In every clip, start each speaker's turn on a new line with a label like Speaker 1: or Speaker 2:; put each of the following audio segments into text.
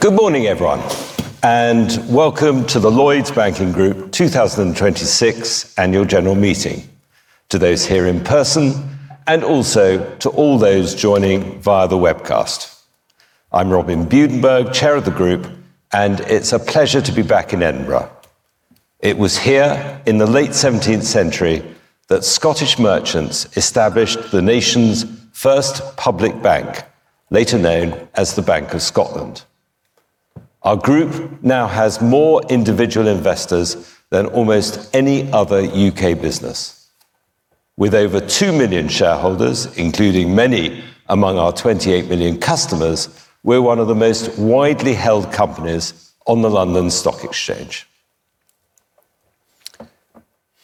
Speaker 1: Good morning, everyone, welcome to the Lloyds Banking Group 2026 Annual General Meeting. To those here in person and also to all those joining via the webcast, I'm Robin Budenberg, Chair of the Group, it's a pleasure to be back in Edinburgh. It was here in the late 17th century that Scottish merchants established the nation's first public bank, later known as the Bank of Scotland. Our Group now has more individual investors than almost any other U.K. business. With over 2 million shareholders, including many among our 28 million customers, we're one of the most widely held companies on the London Stock Exchange.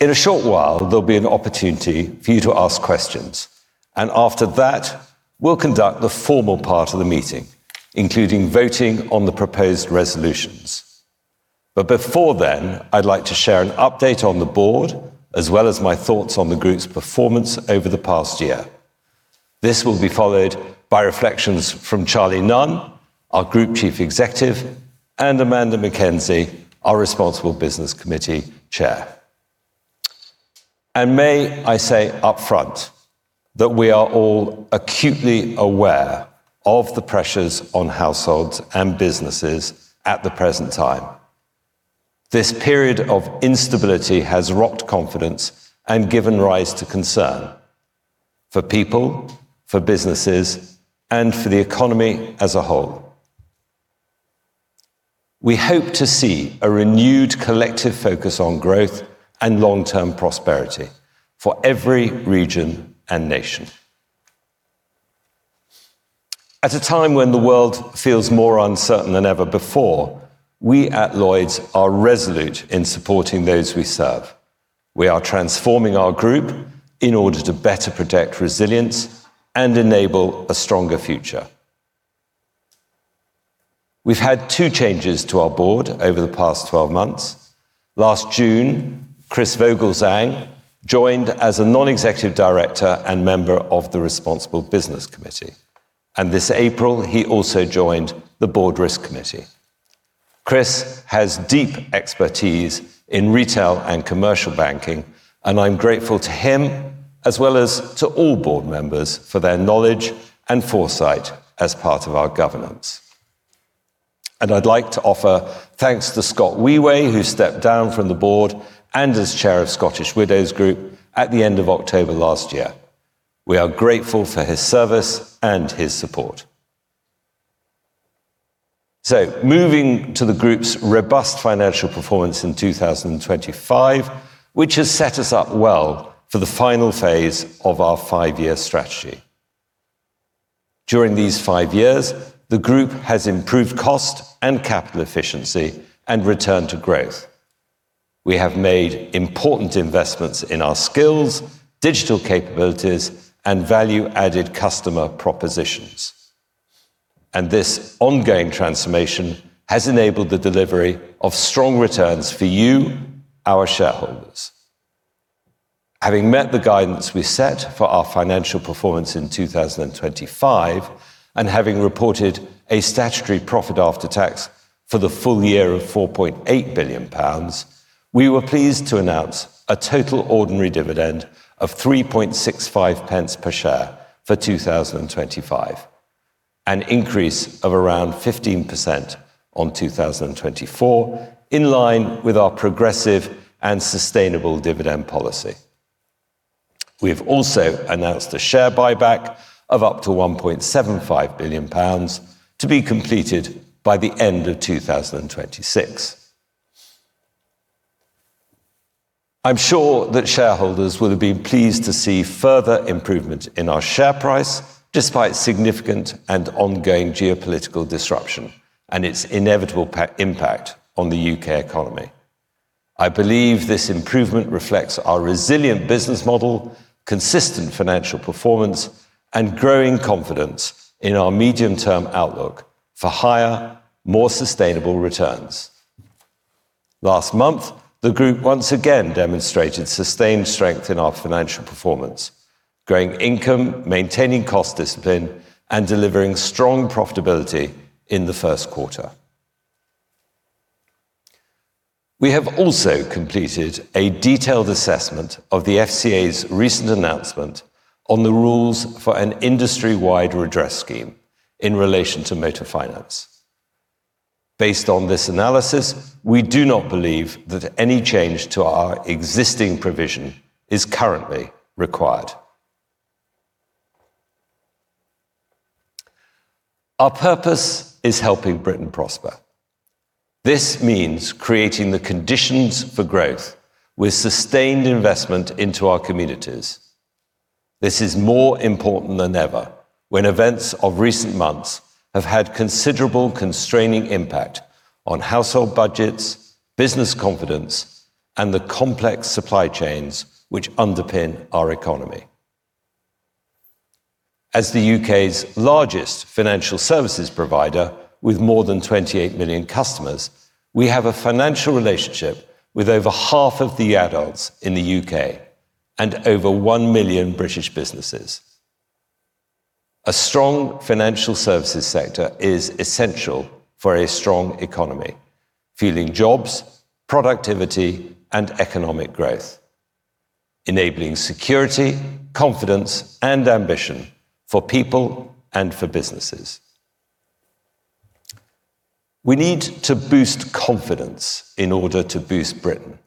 Speaker 1: In a short while, there'll be an opportunity for you to ask questions, after that we'll conduct the formal part of the meeting, including voting on the proposed resolutions. Before then, I'd like to share an update on the board as well as my thoughts on the group's performance over the past year. This will be followed by reflections from Charlie Nunn, our Group Chief Executive, and Amanda Mackenzie, our Responsible Business Committee Chair. May I say upfront that we are all acutely aware of the pressures on households and businesses at the present time. This period of instability has rocked confidence and given rise to concern for people, for businesses, and for the economy as a whole. We hope to see a renewed collective focus on growth and long-term prosperity for every region and nation. At a time when the world feels more uncertain than ever before, we at Lloyds are resolute in supporting those we serve. We are transforming our group in order to better protect resilience and enable a stronger future. We've had two changes to our board over the past 12 months. Last June, Chris Vogelzang joined as a non-executive director and member of the Responsible Business Committee. This April, he also joined the Board Risk Committee. Chris has deep expertise in retail and commercial banking, and I'm grateful to him as well as to all board members for their knowledge and foresight as part of our governance. I'd like to offer thanks to Scott Wheway, who stepped down from the board and as Chair of Scottish Widows Group at the end of October last year. We are grateful for his service and his support. Moving to the group's robust financial performance in 2025, which has set us up well for the final phase of our five-year strategy. During these five years, the group has improved cost and capital efficiency and returned to growth. We have made important investments in our skills, digital capabilities, and value-added customer propositions. This ongoing transformation has enabled the delivery of strong returns for you, our shareholders. Having met the guidance we set for our financial performance in 2025 and having reported a statutory profit after tax for the full year of 4.8 billion pounds, we were pleased to announce a total ordinary dividend of 0.0365 per share for 2025, an increase of around 15% on 2024 in line with our progressive and sustainable dividend policy. We've also announced a share buyback of up to 1.75 billion pounds to be completed by the end of 2026. I'm sure that shareholders will have been pleased to see further improvement in our share price despite significant and ongoing geopolitical disruption and its inevitable impact on the U.K. economy. I believe this improvement reflects our resilient business model, consistent financial performance, and growing confidence in our medium-term outlook for higher, more sustainable returns. Last month, the group once again demonstrated sustained strength in our financial performance, growing income, maintaining cost discipline, and delivering strong profitability in the first quarter. We have also completed a detailed assessment of the FCA's recent announcement on the rules for an industry-wide redress scheme in relation to motor finance. Based on this analysis, we do not believe that any change to our existing provision is currently required. Our purpose is helping Britain prosper. This means creating the conditions for growth with sustained investment into our communities. This is more important than ever when events of recent months have had considerable constraining impact on household budgets, business confidence, and the complex supply chains which underpin our economy. As the U.K.'s largest financial services provider with more than 28 million customers, we have a financial relationship with over half of the adults in the U.K. and over 1 million British businesses. A strong financial services sector is essential for a strong economy, fueling jobs, productivity, and economic growth, enabling security, confidence, and ambition for people and for businesses. We need to boost confidence in order to boost Britain.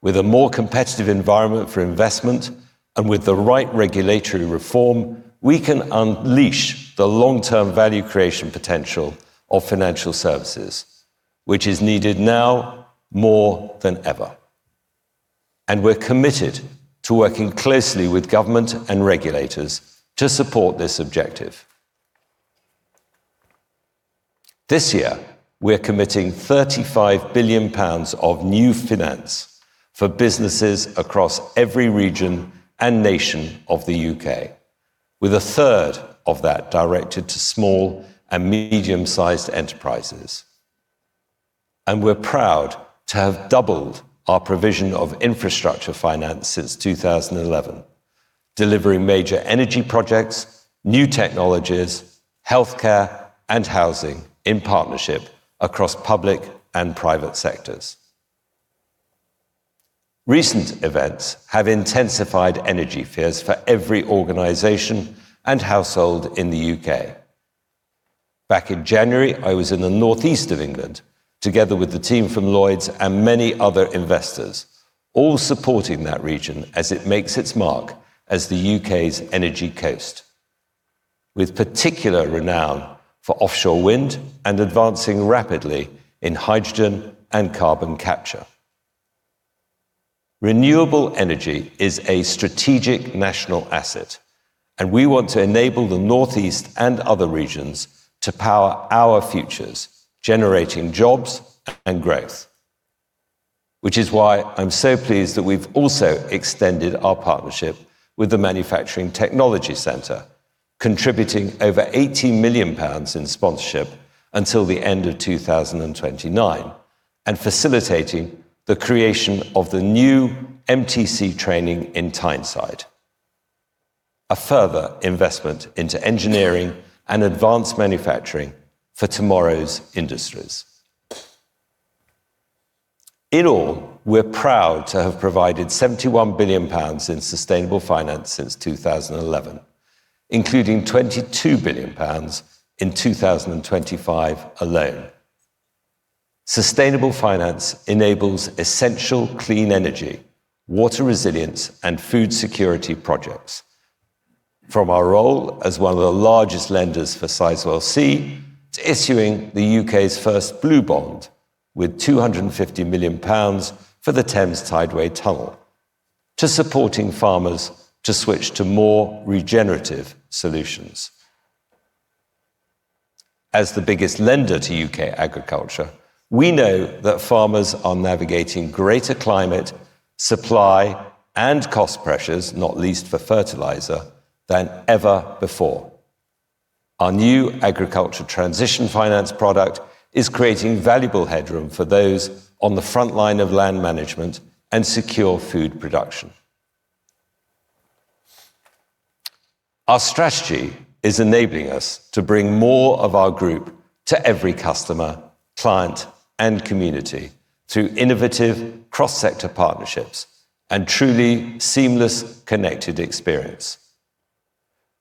Speaker 1: With a more competitive environment for investment and with the right regulatory reform, we can unleash the long-term value creation potential of financial services, which is needed now more than ever. We're committed to working closely with government and regulators to support this objective. This year, we're committing 35 billion pounds of new finance for businesses across every region and nation of the U.K., with a third of that directed to small and medium-sized enterprises. We're proud to have doubled our provision of infrastructure finance since 2011, delivering major energy projects, new technologies, healthcare, and housing in partnership across public and private sectors. Recent events have intensified energy fears for every organization and household in the U.K. Back in January, I was in the northeast of England together with the team from Lloyds and many other investors, all supporting that region as it makes its mark as the U.K.'s energy coast, with particular renown for offshore wind and advancing rapidly in hydrogen and carbon capture. Renewable energy is a strategic national asset, and we want to enable the northeast and other regions to power our futures, generating jobs and growth, which is why I'm so pleased that we've also extended our partnership with the Manufacturing Technology Centre, contributing over 80 million pounds in sponsorship until the end of 2029 and facilitating the creation of the new MTC training in Tyneside, a further investment into engineering and advanced manufacturing for tomorrow's industries. In all, we're proud to have provided 71 billion pounds in sustainable finance since 2011, including 22 billion pounds in 2025 alone. Sustainable finance enables essential clean energy, water resilience, and food security projects from our role as one of the largest lenders for Sizewell C to issuing the U.K.'s first blue bond with 250 million pounds for the Thames Tideway Tunnel to supporting farmers to switch to more regenerative solutions. As the biggest lender to U.K. agriculture, we know that farmers are navigating greater climate, supply, and cost pressures, not least for fertilizer, than ever before. Our new agriculture transition finance product is creating valuable headroom for those on the front line of land management and secure food production. Our strategy is enabling us to bring more of our group to every customer, client, and community through innovative cross-sector partnerships and truly seamless connected experience.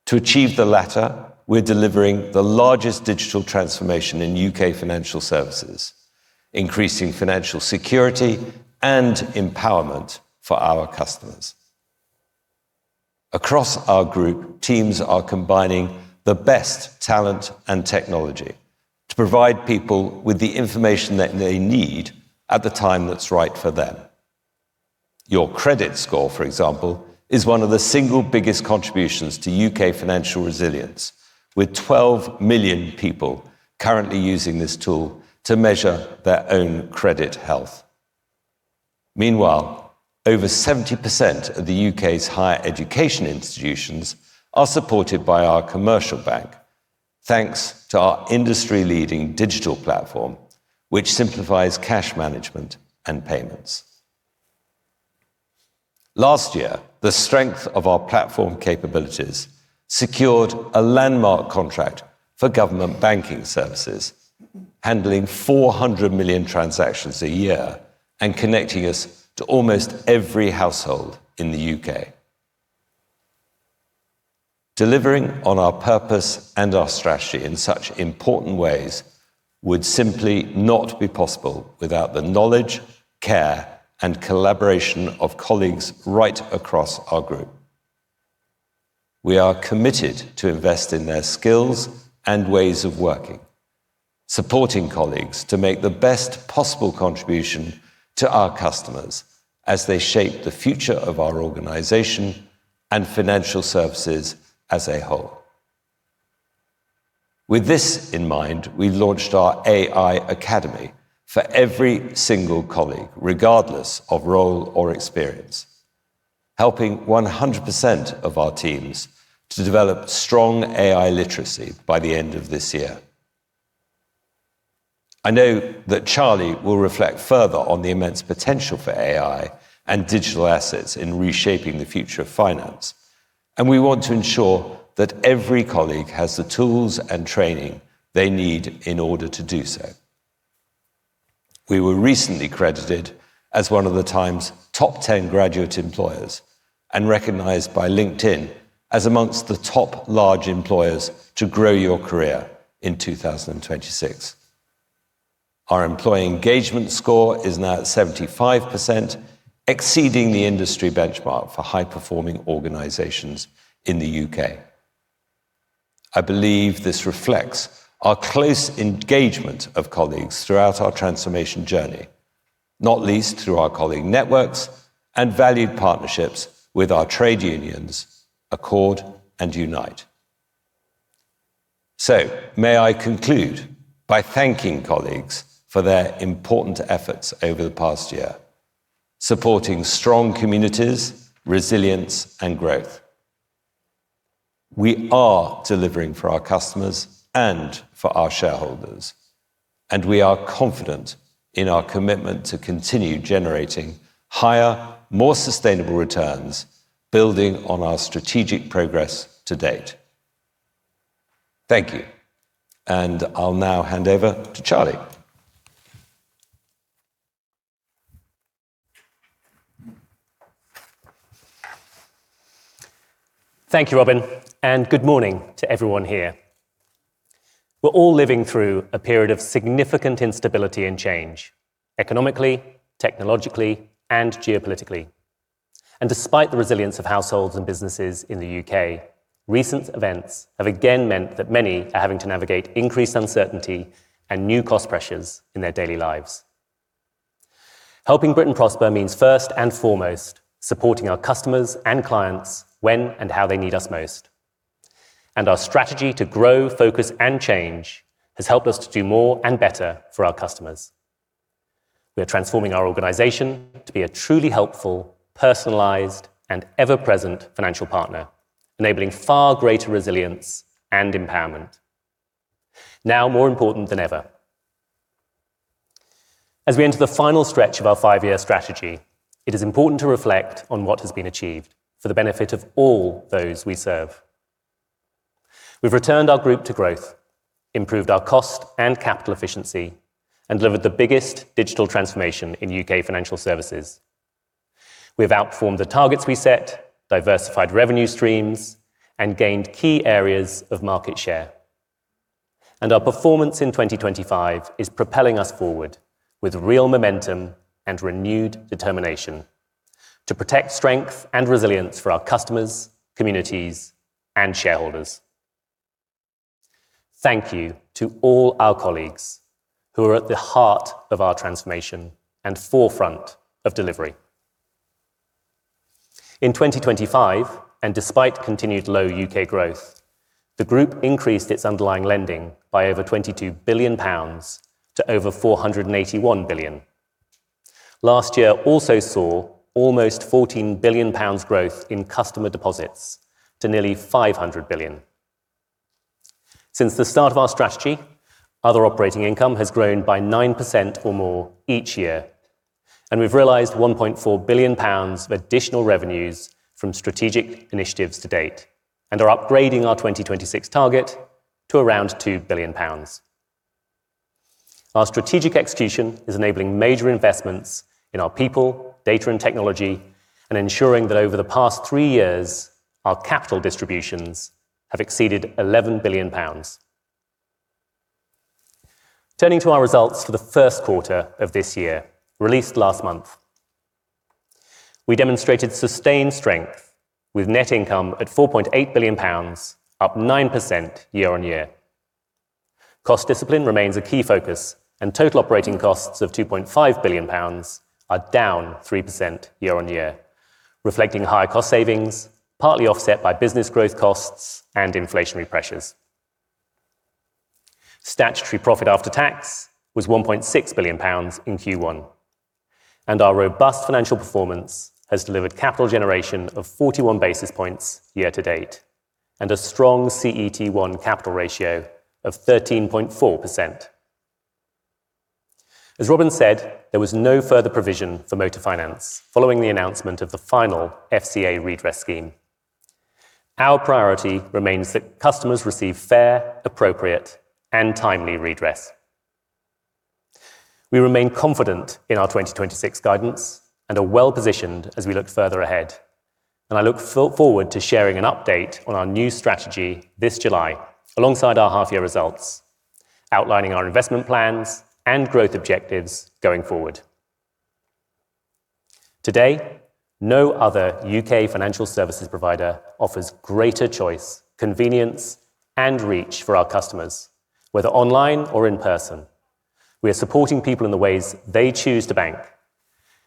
Speaker 1: To achieve the latter, we're delivering the largest digital transformation in U.K. financial services, increasing financial security and empowerment for our customers. Across our group, teams are combining the best talent and technology to provide people with the information that they need at the time that's right for them. Your credit score, for example, is one of the single biggest contributions to U.K. financial resilience, with 12 million people currently using this tool to measure their own credit health. Meanwhile, over 70% of the U.K.'s higher education institutions are supported by our commercial bank, thanks to our industry-leading digital platform, which simplifies cash management and payments. Last year, the strength of our platform capabilities secured a landmark contract for government banking services, handling 400 million transactions a year and connecting us to almost every household in the U.K. Delivering on our purpose and our strategy in such important ways would simply not be possible without the knowledge, care, and collaboration of colleagues right across our group. We are committed to invest in their skills and ways of working, supporting colleagues to make the best possible contribution to our customers as they shape the future of our organization and financial services as a whole. With this in mind, we've launched our AI Academy for every single colleague, regardless of role or experience, helping 100% of our teams to develop strong AI literacy by the end of this year. I know that Charlie will reflect further on the immense potential for AI and digital assets in reshaping the future of finance. We want to ensure that every colleague has the tools and training they need in order to do so. We were recently credited as one of The Times top 10 graduate employers and recognized by LinkedIn as amongst the top large employers to grow your career in 2026. Our employee engagement score is now at 75%, exceeding the industry benchmark for high-performing organizations in the U.K. I believe this reflects our close engagement of colleagues throughout our transformation journey, not least through our colleague networks and valued partnerships with our trade unions, Accord and Unite. May I conclude by thanking colleagues for their important efforts over the past year, supporting strong communities, resilience and growth. We are delivering for our customers and for our shareholders, and we are confident in our commitment to continue generating higher, more sustainable returns, building on our strategic progress to-date. Thank you. I'll now hand over to Charlie.
Speaker 2: Thank you, Robin. Good morning to everyone here. We're all living through a period of significant instability and change economically, technologically and geopolitically. Despite the resilience of households and businesses in the U.K., recent events have again meant that many are having to navigate increased uncertainty and new cost pressures in their daily lives. Helping Britain Prosper means first and foremost supporting our customers and clients when and how they need us most. Our strategy to grow, focus and change has helped us to do more and better for our customers. We are transforming our organization to be a truly helpful, personalized and ever-present financial partner, enabling far greater resilience and empowerment, now more important than ever. As we enter the final stretch of our five-year strategy, it is important to reflect on what has been achieved for the benefit of all those we serve. We've returned our group to growth, improved our cost and capital efficiency, and delivered the biggest digital transformation in U.K. financial services. We've outperformed the targets we set, diversified revenue streams and gained key areas of market share. Our performance in 2025 is propelling us forward with real momentum and renewed determination to protect strength and resilience for our customers, communities and shareholders. Thank you to all our colleagues who are at the heart of our transformation and forefront of delivery. In 2025, and despite continued low U.K. growth, the group increased its underlying lending by over 22 billion pounds to over 481 billion. Last year also saw almost 14 billion pounds growth in customer deposits to nearly 500 billion. Since the start of our strategy, other operating income has grown by 9% or more each year, and we've realized 1.4 billion pounds of additional revenues from strategic initiatives to date and are upgrading our 2026 target to around 2 billion pounds. Our strategic execution is enabling major investments in our people, data and technology and ensuring that over the past three years, our capital distributions have exceeded 11 billion pounds. Turning to our results for the first quarter of this year, released last month. We demonstrated sustained strength with net income at 4.8 billion pounds, up 9% year-on-year. Cost discipline remains a key focus and total operating costs of 2.5 billion pounds are down 3% year-on-year, reflecting higher cost savings, partly offset by business growth costs and inflationary pressures. Statutory profit after tax was 1.6 billion pounds in Q1. Our robust financial performance has delivered capital generation of 41 basis points year-to-date and a strong CET1 capital ratio of 13.4%. As Robin said, there was no further provision for motor finance following the announcement of the final FCA redress scheme. Our priority remains that customers receive fair, appropriate and timely redress. We remain confident in our 2026 guidance and are well positioned as we look further ahead. I look forward to sharing an update on our new strategy this July alongside our half-year results, outlining our investment plans and growth objectives going forward. Today, no other U.K. financial services provider offers greater choice, convenience and reach for our customers, whether online or in person. We are supporting people in the ways they choose to bank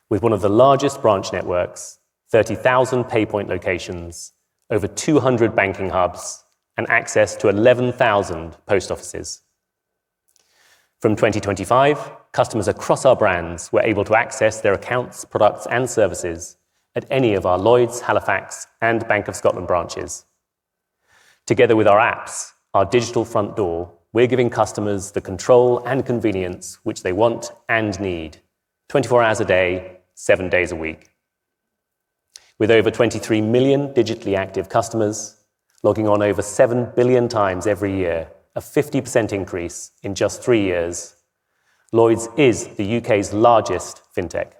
Speaker 2: with one of the largest branch networks, 30,000 PayPoint locations, over 200 banking hubs and access to 11,000 post offices. From 2025, customers across our brands were able to access their accounts, products and services at any of our Lloyds, Halifax and Bank of Scotland branches. Together with our apps, our digital front door, we're giving customers the control and convenience which they want and need, 24 hours a day, seven days a week. With over 23 million digitally active customers logging on over 7 billion times every year, a 50% increase in just three years, Lloyds is the U.K.'s largest fintech.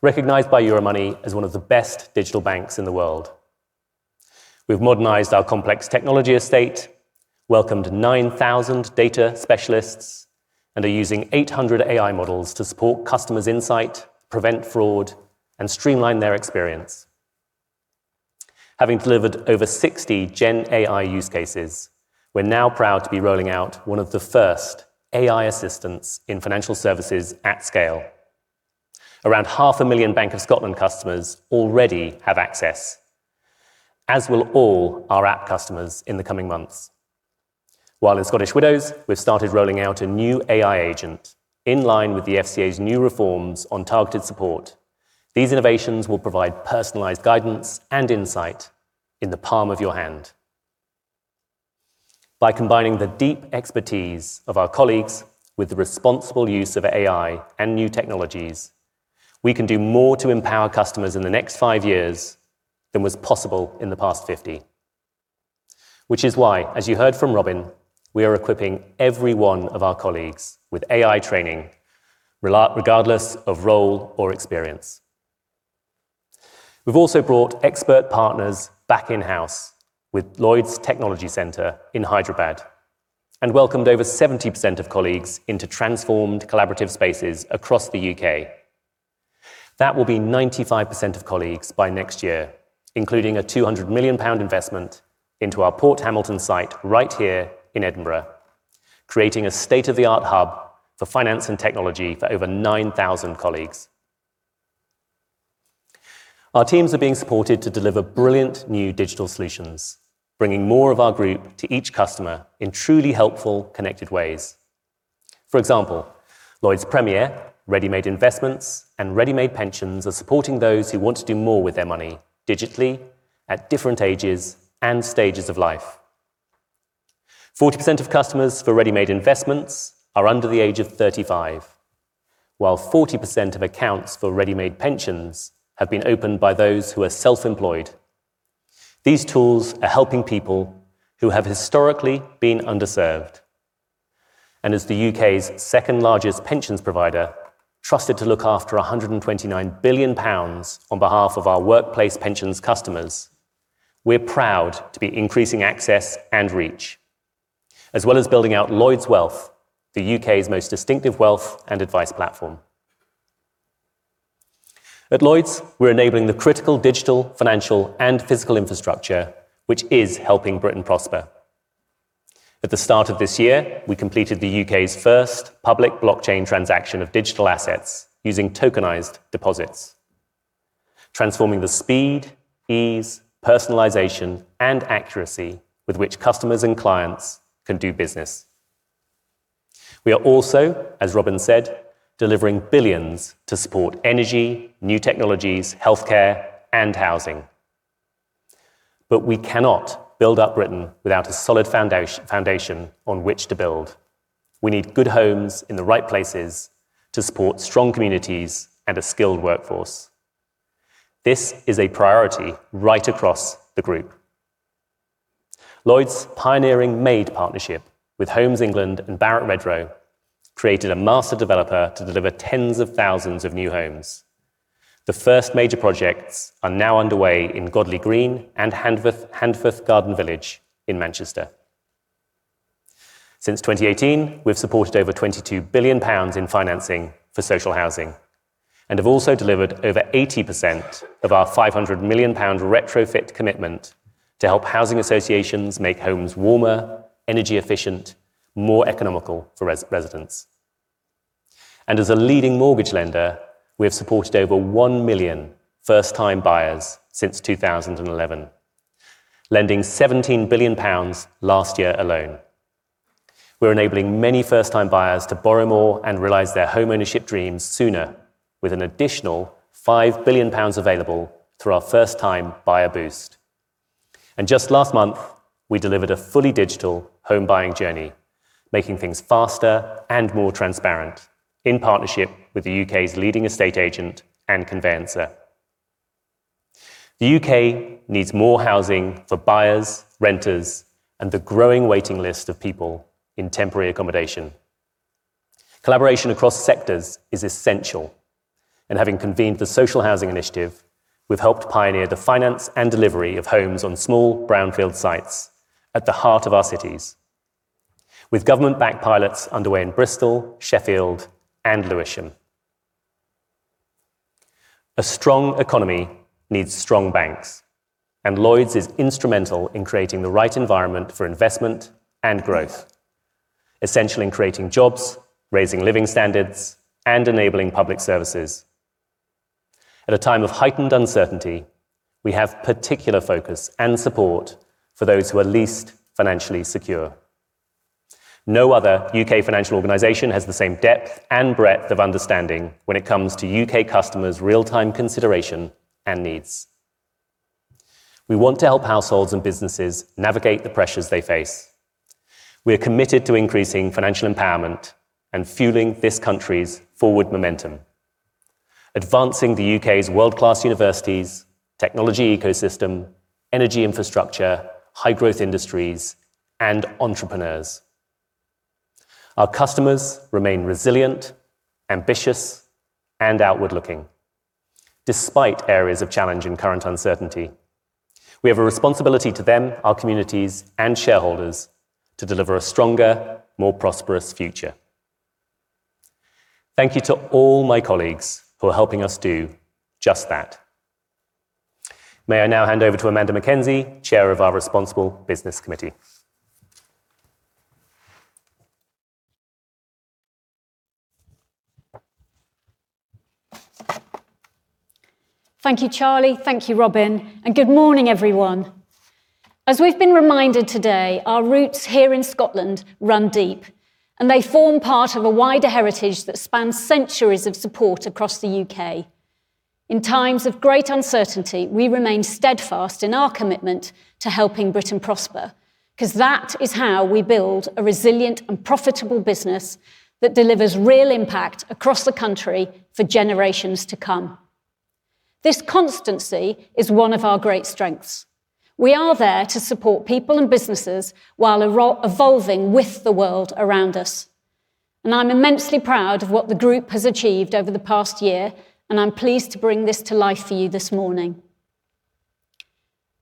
Speaker 2: Recognized by Euromoney as one of the best digital banks in the world. We've modernized our complex technology estate, welcomed 9,000 data specialists, and are using 800 AI models to support customers' insight, prevent fraud, and streamline their experience. Having delivered over 60 GenAI use cases, we're now proud to be rolling out one of the first AI assistants in financial services at scale. Around half a million Bank of Scotland customers already have access, as will all our app customers in the coming months. While at Scottish Widows, we've started rolling out a new AI agent in line with the FCA's new reforms on targeted support. These innovations will provide personalized guidance and insight in the palm of your hand. By combining the deep expertise of our colleagues with the responsible use of AI and new technologies, we can do more to empower customers in the next five years than was possible in the past 50. Which is why, as you heard from Robin, we are equipping every one of our colleagues with AI training regardless of role or experience. We've also brought expert partners back in-house with Lloyds Technology Centre in Hyderabad and welcomed over 70% of colleagues into transformed collaborative spaces across the U.K. That will be 95% of colleagues by next year, including a 200 million pound investment into our Port Hamilton site right here in Edinburgh, creating a state-of-the-art hub for finance and technology for over 9,000 colleagues. Our teams are being supported to deliver brilliant new digital solutions, bringing more of our group to each customer in truly helpful, connected ways. For example, Lloyds Premier, Ready-Made Investments, and Ready-Made Pensions are supporting those who want to do more with their money digitally at different ages and stages of life. 40% of customers for Ready-Made Investments are under the age of 35, while 40% of accounts for Ready-Made Pensions have been opened by those who are self-employed. These tools are helping people who have historically been underserved. As the U.K.'s second-largest pensions provider, trusted to look after 129 billion pounds on behalf of our workplace pensions customers, we're proud to be increasing access and reach, as well as building out Lloyds Wealth, the U.K.'s most distinctive wealth and advice platform. At Lloyds, we're enabling the critical digital, financial, and physical infrastructure which is helping Britain prosper. At the start of this year, we completed the U.K.'s first public blockchain transaction of digital assets using tokenized deposits, transforming the speed, ease, personalization, and accuracy with which customers and clients can do business. We are also, as Robin said, delivering billions to support energy, new technologies, healthcare, and housing. We cannot build up Britain without a solid foundation on which to build. We need good homes in the right places to support strong communities and a skilled workforce. This is a priority right across the group. Lloyds' pioneering MADE Partnership with Homes England and Barratt Redrow created a master developer to deliver tens of thousands of new homes. The first major projects are now underway in Godley Green and Handforth Garden Village in Manchester. Since 2018, we've supported over 22 billion pounds in financing for social housing and have also delivered over 80% of our 500 million pound retrofit commitment to help housing associations make homes warmer, energy efficient, more economical for residents. As a leading mortgage lender, we have supported over 1 million first-time buyers since 2011, lending 17 billion pounds last year alone. We're enabling many first-time buyers to borrow more and realize their homeownership dreams sooner with an additional 5 billion pounds available through our First Time Buyer Boost. Just last month, we delivered a fully digital home buying journey, making things faster and more transparent in partnership with the U.K.'s leading estate agent and conveyancer. The U.K. needs more housing for buyers, renters, and the growing waiting list of people in temporary accommodation. Collaboration across sectors is essential. Having convened the Social Housing Initiative, we've helped pioneer the finance and delivery of homes on small brownfield sites at the heart of our cities with government-backed pilots underway in Bristol, Sheffield, and Lewisham. A strong economy needs strong banks. Lloyds is instrumental in creating the right environment for investment and growth, essential in creating jobs, raising living standards, and enabling public services. At a time of heightened uncertainty, we have particular focus and support for those who are least financially secure. No other U.K. financial organization has the same depth and breadth of understanding when it comes to U.K. customers' real-time consideration and needs. We want to help households and businesses navigate the pressures they face. We're committed to increasing financial empowerment and fueling this country's forward momentum, advancing the U.K.'s world-class universities, technology ecosystem, energy infrastructure, high-growth industries, and entrepreneurs. Our customers remain resilient, ambitious, and outward-looking despite areas of challenge and current uncertainty. We have a responsibility to them, our communities, and shareholders to deliver a stronger, more prosperous future. Thank you to all my colleagues for helping us do just that. May I now hand over to Amanda Mackenzie, Chair of our Responsible Business Committee.
Speaker 3: Thank you, Charlie, thank you, Robin, and good morning, everyone. As we've been reminded today, our roots here in Scotland run deep, and they form part of a wider heritage that spans centuries of support across the U.K. In times of great uncertainty, we remain steadfast in our commitment to helping Britain prosper, 'cause that is how we build a resilient and profitable business that delivers real impact across the country for generations to come. This constancy is one of our great strengths. We are there to support people and businesses while evolving with the world around us, and I'm immensely proud of what the group has achieved over the past year, and I'm pleased to bring this to life for you this morning.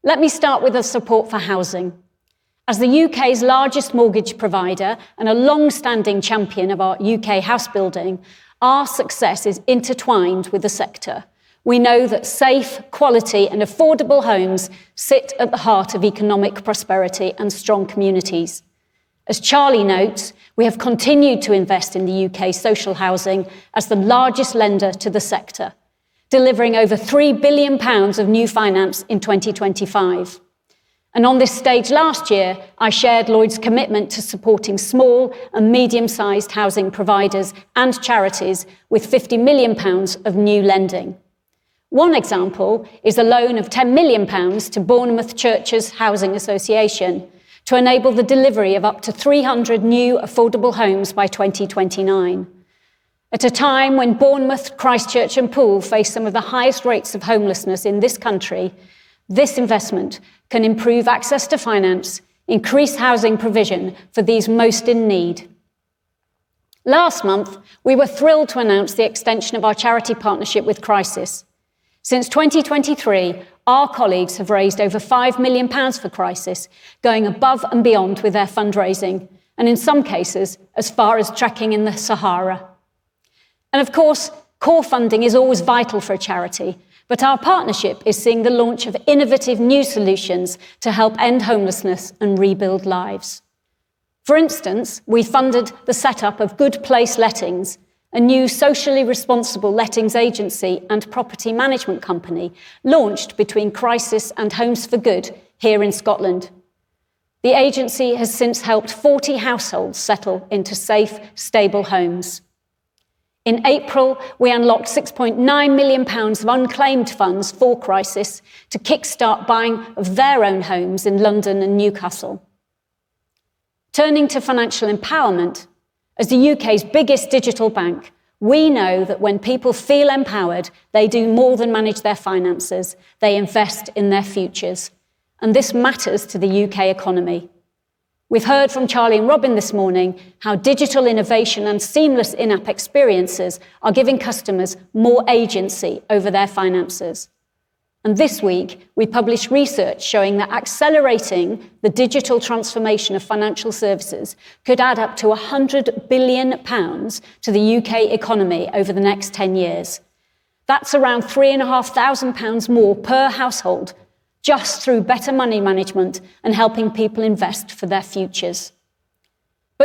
Speaker 3: Let me start with the support for housing. As the U.K.'s largest mortgage provider and a longstanding champion of our U.K. house building, our success is intertwined with the sector. We know that safe, quality, and affordable homes sit at the heart of economic prosperity and strong communities. As Charlie notes, we have continued to invest in the U.K. social housing as the largest lender to the sector, delivering over 3 billion pounds of new finance in 2025. On this stage last year, I shared Lloyds' commitment to supporting small and medium-sized housing providers and charities with 50 million pounds of new lending. One example is a loan of 10 million pounds to Bournemouth Churches Housing Association to enable the delivery of up to 300 new affordable homes by 2029. At a time when Bournemouth, Christchurch, and Poole face some of the highest rates of homelessness in this country, this investment can improve access to finance, increase housing provision for these most in need. Last month, we were thrilled to announce the extension of our charity partnership with Crisis. Since 2023, our colleagues have raised over 5 million pounds for Crisis, going above and beyond with their fundraising. In some cases, as far as trekking in the Sahara. Of course, core funding is always vital for a charity. Our partnership is seeing the launch of innovative new solutions to help end homelessness and rebuild lives. For instance, we funded the setup of Good Place Lettings, a new socially responsible lettings agency and property management company launched between Crisis and Homes for Good here in Scotland. The agency has since helped 40 households settle into safe, stable homes. In April, we unlocked 6.9 million pounds of unclaimed funds for Crisis to kickstart buying of their own homes in London and Newcastle. Turning to financial empowerment, as the U.K.'s biggest digital bank, we know that when people feel empowered, they do more than manage their finances, they invest in their futures, and this matters to the U.K. economy. We've heard from Charlie and Robin this morning how digital innovation and seamless in-app experiences are giving customers more agency over their finances. This week, we published research showing that accelerating the digital transformation of financial services could add up to 100 billion pounds to the U.K. economy over the next 10 years. That's around 3,500 pounds more per household just through better money management and helping people invest for their futures.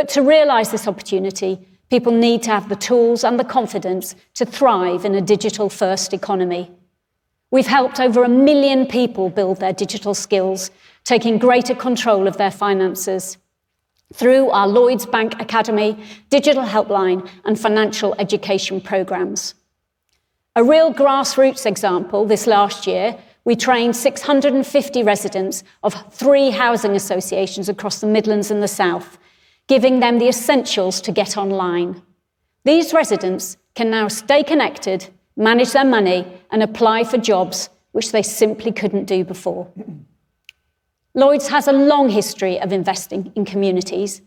Speaker 3: To realize this opportunity, people need to have the tools and the confidence to thrive in a digital-first economy. We've helped over 1 million people build their digital skills, taking greater control of their finances through our Lloyds Bank Academy digital helpline and financial education programs. A real grassroots example this last year, we trained 650 residents of three housing associations across the Midlands and the South, giving them the essentials to get online. These residents can now stay connected, manage their money, and apply for jobs which they simply couldn't do before. Lloyds has a long history of investing in communities,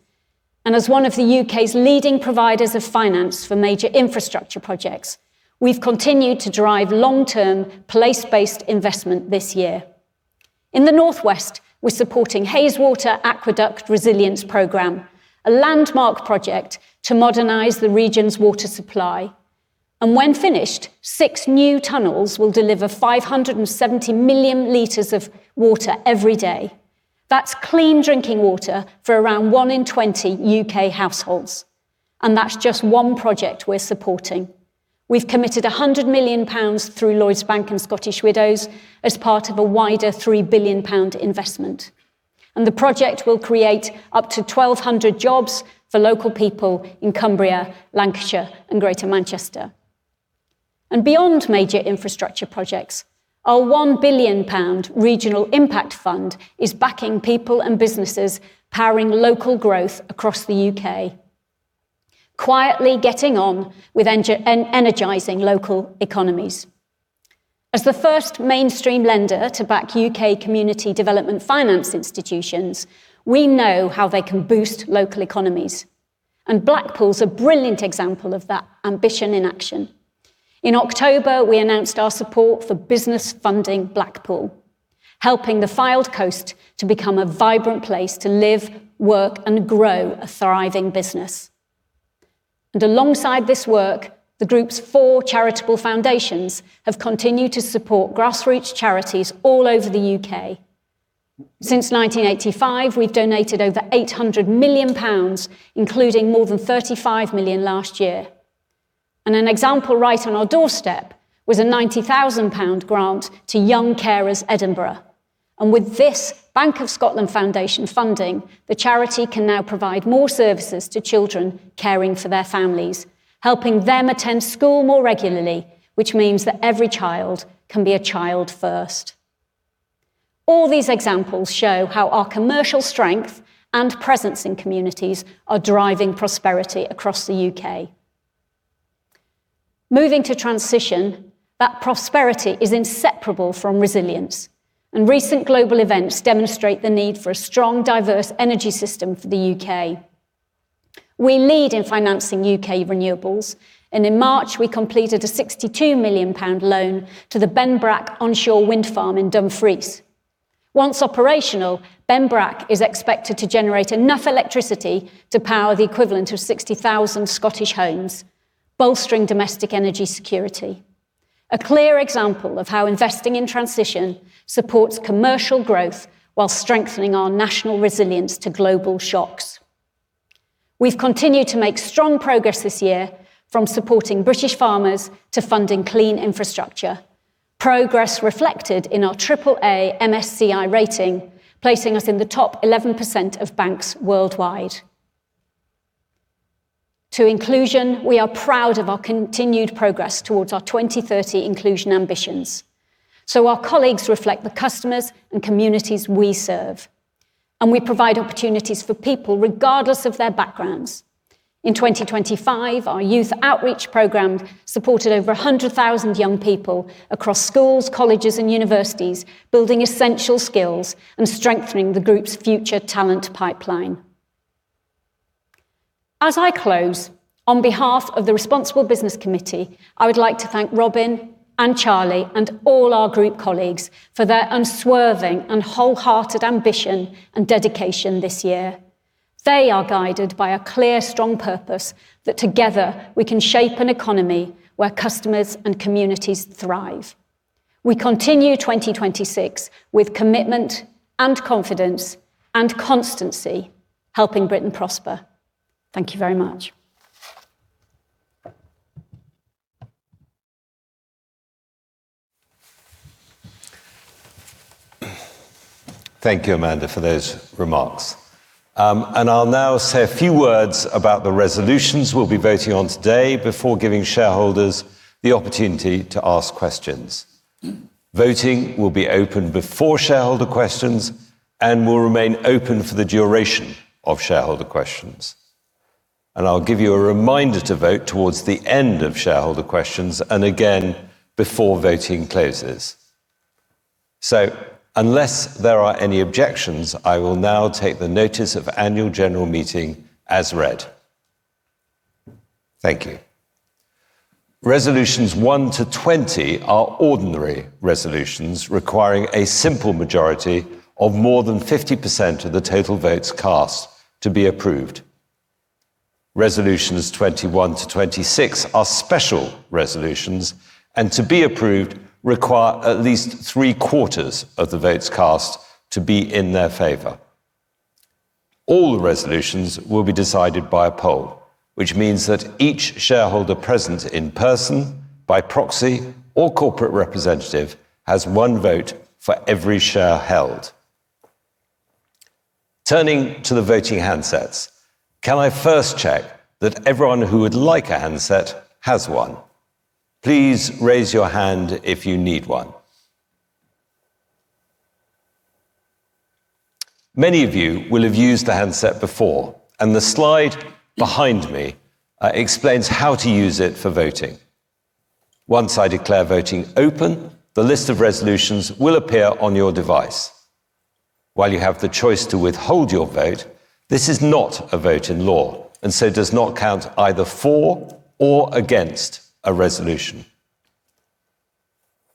Speaker 3: and as one of the U.K.'s leading providers of finance for major infrastructure projects, we've continued to drive long-term, place-based investment this year. In the Northwest, we're supporting Haweswater Aqueduct Resilience Programme, a landmark project to modernize the region's water supply. When finished, six new tunnels will deliver 570 million liters of water every day. That's clean drinking water for around 1 in 20 U.K. households, and that's just one project we're supporting. We've committed 100 million pounds through Lloyds Bank and Scottish Widows as part of a wider 3 billion pound investment. The project will create up to 1,200 jobs for local people in Cumbria, Lancashire, and Greater Manchester. Beyond major infrastructure projects, our 1 billion pound regional impact fund is backing people and businesses powering local growth across the U.K., quietly getting on with energizing local economies. As the first mainstream lender to back U.K. community development finance institutions, we know how they can boost local economies, and Blackpool's a brilliant example of that ambition in action. In October, we announced our support for business funding Blackpool, helping the Fylde coast to become a vibrant place to live, work, and grow a thriving business. Alongside this work, the group's four charitable foundations have continued to support grassroots charities all over the U.K. Since 1985, we've donated over 800 million pounds, including more than 35 million last year. An example right on our doorstep was a 90,000 pound grant to Young Carers Edinburgh. With this Bank of Scotland Foundation funding, the charity can now provide more services to children caring for their families, helping them attend school more regularly, which means that every child can be a child first. All these examples show how our commercial strength and presence in communities are driving prosperity across the U.K. Moving to transition, that prosperity is inseparable from resilience, recent global events demonstrate the need for a strong, diverse energy system for the U.K. We lead in financing U.K. renewables, in March we completed a 62 million pound loan to the Benbrack onshore wind farm in Dumfries. Once operational, Benbrack is expected to generate enough electricity to power the equivalent of 60,000 Scottish homes, bolstering domestic energy security. A clear example of how investing in transition supports commercial growth while strengthening our national resilience to global shocks. We've continued to make strong progress this year from supporting British farmers to funding clean infrastructure. Progress reflected in our AAA MSCI rating, placing us in the top 11% of banks worldwide. To inclusion, we are proud of our continued progress towards our 2030 inclusion ambitions. Our colleagues reflect the customers and communities we serve, and we provide opportunities for people regardless of their backgrounds. In 2025, our youth outreach program supported over 100,000 young people across schools, colleges, and universities, building essential skills and strengthening the group's future talent pipeline. As I close, on behalf of the Responsible Business Committee, I would like to thank Robin and Charlie and all our group colleagues for their unswerving and wholehearted ambition and dedication this year. They are guided by a clear, strong purpose that together we can shape an economy where customers and communities thrive. We continue 2026 with commitment and confidence and constancy, Helping Britain Prosper. Thank you very much.
Speaker 1: Thank you, Amanda, for those remarks. I'll now say a few words about the resolutions we'll be voting on today before giving shareholders the opportunity to ask questions. Voting will be open before shareholder questions and will remain open for the duration of shareholder questions. I'll give you a reminder to vote towards the end of shareholder questions and again before voting closes. Unless there are any objections, I will now take the notice of Annual General Meeting as read. Thank you. Resolutions 1-20 are ordinary resolutions requiring a simple majority of more than 50% of the total votes cast to be approved. Resolutions 21-26 are special resolutions, and to be approved require at least three-quarters of the votes cast to be in their favor. All the resolutions will be decided by a poll, which means that each shareholder present in person, by proxy, or corporate representative has one vote for every share held. Turning to the voting handsets, can I first check that everyone who would like a handset has one? Please raise your hand if you need one. Many of you will have used the handset before, and the slide behind me explains how to use it for voting. Once I declare voting open, the list of resolutions will appear on your device. While you have the choice to withhold your vote, this is not a vote in law and so does not count either for or against a resolution.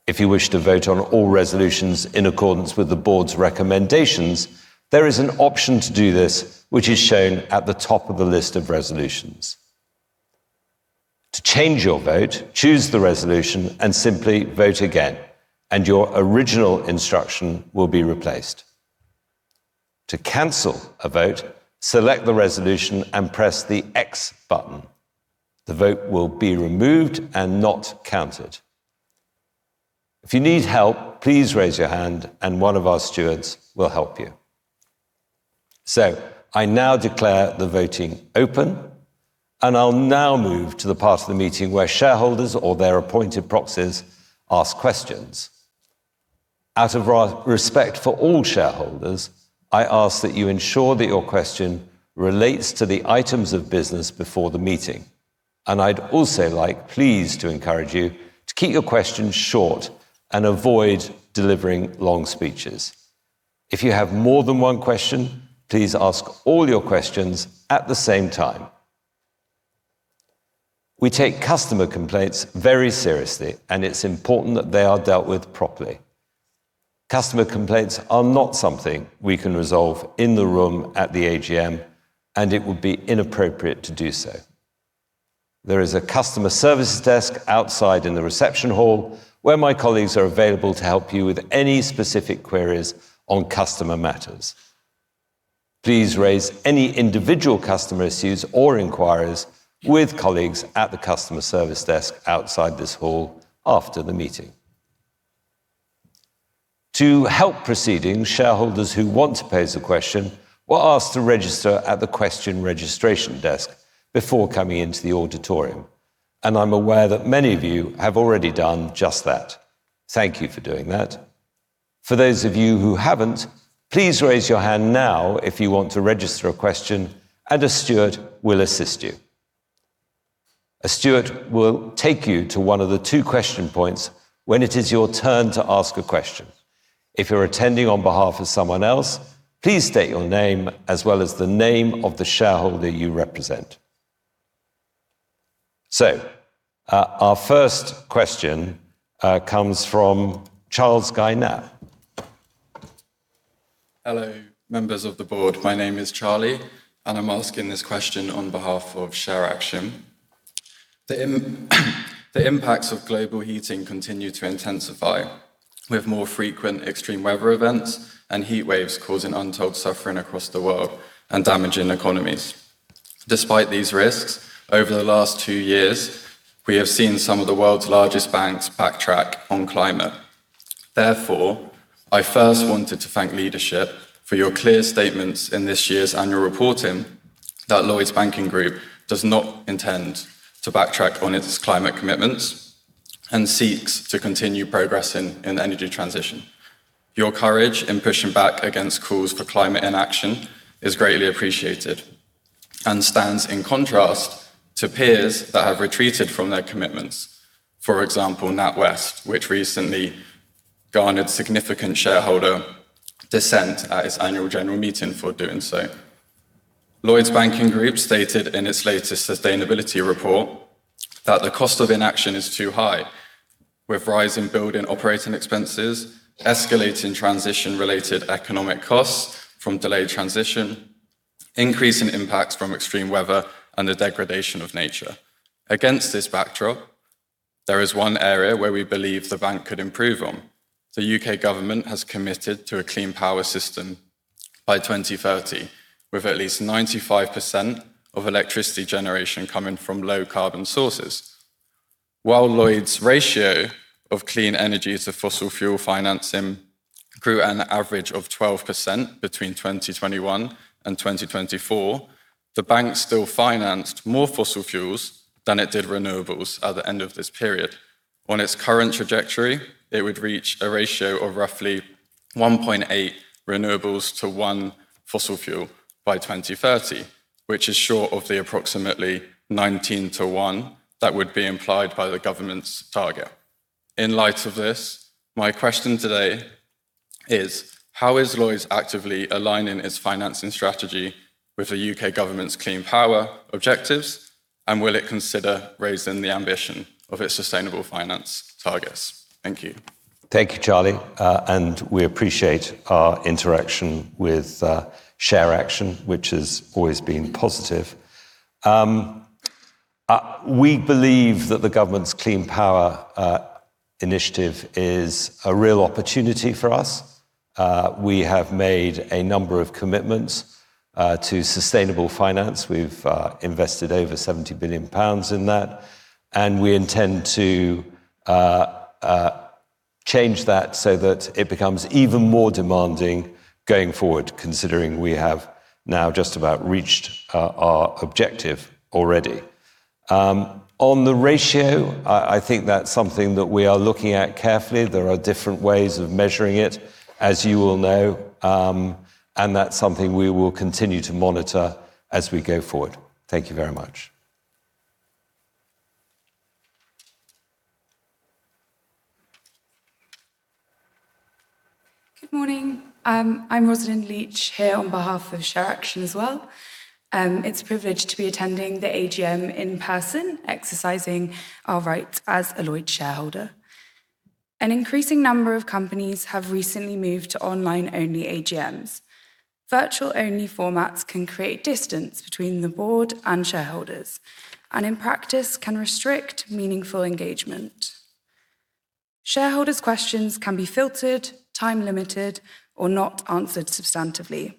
Speaker 1: If you wish to vote on all resolutions in accordance with the board's recommendations, there is an option to do this which is shown at the top of the list of resolutions. To change your vote, choose the resolution and simply vote again, and your original instruction will be replaced. To cancel a vote, select the resolution and press the X button. The vote will be removed and not counted. If you need help, please raise your hand and one of our stewards will help you. I now declare the voting open, and I'll now move to the part of the meeting where shareholders or their appointed proxies ask questions. Out of respect for all shareholders, I ask that you ensure that your question relates to the items of business before the meeting. I'd also like please to encourage you to keep your questions short and avoid delivering long speeches. If you have more than one question, please ask all your questions at the same time. We take customer complaints very seriously. It's important that they are dealt with properly. Customer complaints are not something we can resolve in the room at the AGM. It would be inappropriate to do so. There is a customer service desk outside in the reception hall where my colleagues are available to help you with any specific queries on customer matters. Please raise any individual customer issues or inquiries with colleagues at the customer service desk outside this hall after the meeting. To help proceedings, shareholders who want to pose a question were asked to register at the question registration desk before coming into the auditorium. I'm aware that many of you have already done just that. Thank you for doing that. For those of you who haven't, please raise your hand now if you want to register a question and a steward will assist you. A steward will take you to one of the two question points when it is your turn to ask a question. If you're attending on behalf of someone else, please state your name as well as the name of the shareholder you represent. Our first question comes from Charlie Guy-Knapp.
Speaker 4: Hello, members of the board. My name is Charlie, I'm asking this question on behalf of ShareAction. The impacts of global heating continue to intensify with more frequent extreme weather events and heat waves causing untold suffering across the world and damaging economies. Despite these risks, over the last two years, we have seen some of the world's largest banks backtrack on climate. I first wanted to thank leadership for your clear statements in this year's annual reporting that Lloyds Banking Group does not intend to backtrack on its climate commitments and seeks to continue progressing in energy transition. Your courage in pushing back against calls for climate inaction is greatly appreciated and stands in contrast to peers that have retreated from their commitments. NatWest, which recently garnered significant shareholder dissent at its annual general meeting for doing so. Lloyds Banking Group stated in its latest sustainability report that the cost of inaction is too high, with rising building operating expenses, escalating transition related economic costs from delayed transition, increasing impacts from extreme weather and the degradation of nature. Against this backdrop, there is one area where we believe the bank could improve on. The U.K. government has committed to a clean power system by 2030, with at least 95% of electricity generation coming from low carbon sources. While Lloyds' ratio of clean energy to fossil fuel financing grew an average of 12% between 2021 and 2024, the bank still financed more fossil fuels than it did renewables at the end of this period. On its current trajectory, it would reach a ratio of roughly 1.8 renewables to 1 fossil fuel by 2030, which is short of the approximately 19 to 1 that would be implied by the government's target. In light of this, my question today is, how is Lloyds actively aligning its financing strategy with the U.K. government's clean power objectives, and will it consider raising the ambition of its sustainable finance targets? Thank you.
Speaker 1: Thank you, Charlie. We appreciate our interaction with ShareAction, which has always been positive. We believe that the government's clean power initiative is a real opportunity for us. We have made a number of commitments to sustainable finance. We've invested over 70 billion pounds in that, and we intend to change that so that it becomes even more demanding going forward, considering we have now just about reached our objective already. On the ratio, I think that's something that we are looking at carefully. There are different ways of measuring it, as you will know, and that's something we will continue to monitor as we go forward. Thank you very much.
Speaker 5: Good morning. I'm Rosalind Leech, here on behalf of ShareAction as well. It's a privilege to be attending the AGM in person, exercising our rights as a Lloyds shareholder. An increasing number of companies have recently moved to online only AGMs. Virtual only formats can create distance between the board and shareholders, and in practice can restrict meaningful engagement. Shareholders' questions can be filtered, time-limited, or not answered substantively.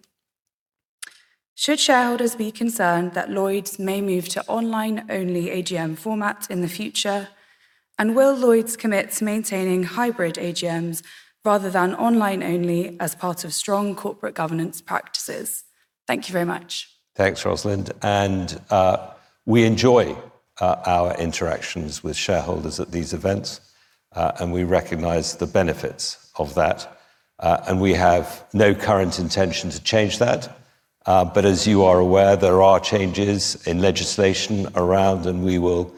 Speaker 5: Should shareholders be concerned that Lloyds may move to online-only AGM format in the future? Will Lloyds commit to maintaining hybrid AGMs rather than online only as part of strong corporate governance practices? Thank you very much.
Speaker 1: Thanks, Rosalind. We enjoy our interactions with shareholders at these events, and we recognize the benefits of that. We have no current intention to change that. As you are aware, there are changes in legislation around, and we will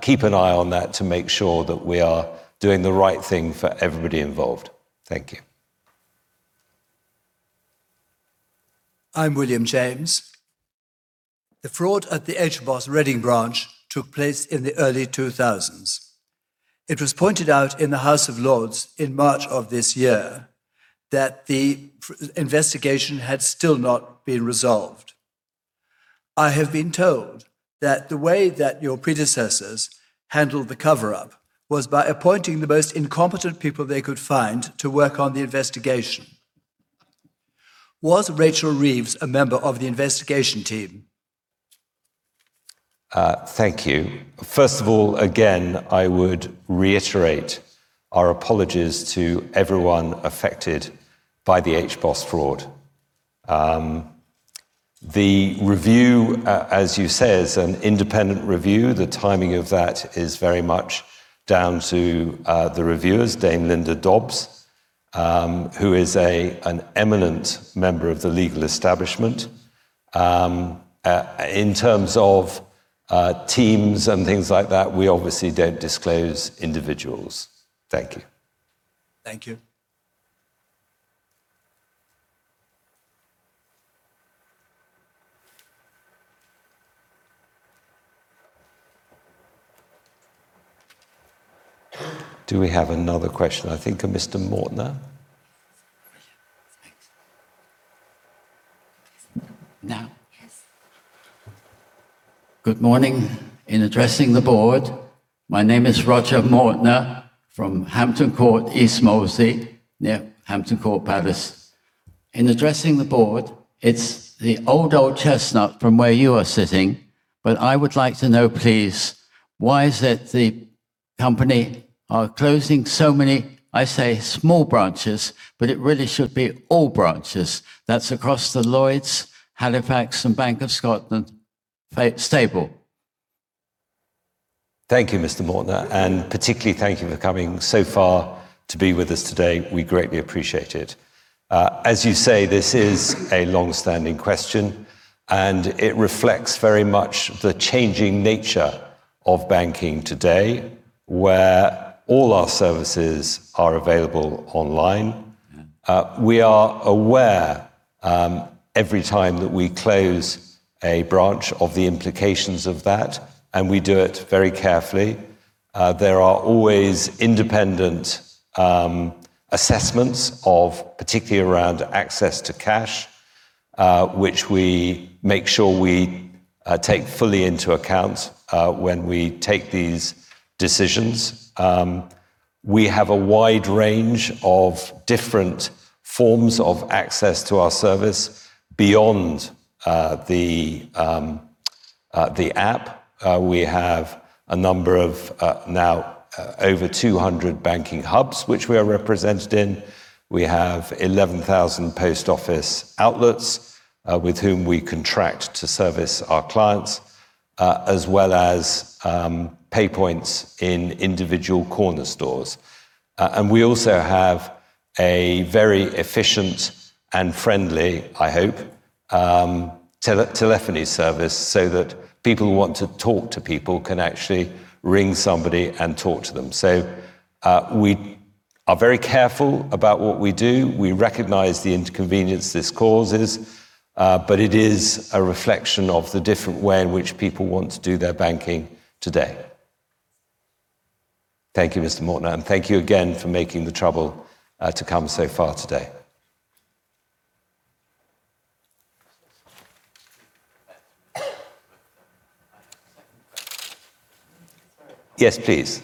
Speaker 1: keep an eye on that to make sure that we are doing the right thing for everybody involved. Thank you.
Speaker 6: I'm William James. The fraud at the HBOS Reading branch took place in the early 2000s. It was pointed out in the House of Lords in March of this year that the investigation had still not been resolved. I have been told that the way that your predecessors handled the cover-up was by appointing the most incompetent people they could find to work on the investigation. Was Rachel Reeves a member of the investigation team?
Speaker 1: Thank you. First of all, again, I would reiterate our apologies to everyone affected by the HBOS fraud. The review, as you say, is an independent review. The timing of that is very much down to the reviewers, Dame Linda Dobbs, who is a, an eminent member of the legal establishment. In terms of teams and things like that, we obviously don't disclose individuals. Thank you.
Speaker 6: Thank you.
Speaker 1: Do we have another question, I think, a Mr. Mortner?
Speaker 7: Roger. Thanks. Now?
Speaker 3: Yes.
Speaker 7: Good morning. In addressing the board, my name is Roger Mortner from Hampton Court, East Molesey, near Hampton Court Palace. In addressing the board, it's the old chestnut from where you are sitting, I would like to know, please, why is it the company are closing so many, I say small branches, but it really should be all branches. That's across the Lloyds, Halifax, and Bank of Scotland stable.
Speaker 1: Thank you, Mr. Mortner, particularly thank you for coming so far to be with us today. We greatly appreciate it. As you say, this is a long-standing question, it reflects very much the changing nature of banking today, where all our services are available online. We are aware every time that we close a branch of the implications of that, we do it very carefully. There are always independent assessments of, particularly around access to cash, which we make sure we take fully into account when we take these decisions. We have a wide range of different forms of access to our service beyond the app. We have a number of now over 200 banking hubs which we are represented in. We have 11,000 post office outlets, with whom we contract to service our clients, as well as PayPoint in individual corner stores. We also have a very efficient and friendly, I hope, telephony service so that people who want to talk to people can actually ring somebody and talk to them. We are very careful about what we do. We recognize the inconvenience this causes, but it is a reflection of the different way in which people want to do their banking today. Thank you, Mr. Mortner, and thank you again for making the trouble to come so far today. Yes, please.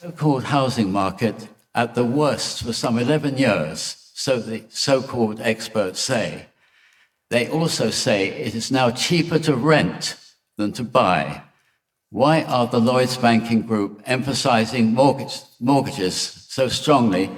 Speaker 7: So-called housing market at the worst for some 11 years, so the so-called experts say. They also say it is now cheaper to rent than to buy. Why are the Lloyds Banking Group emphasizing mortgages so strongly?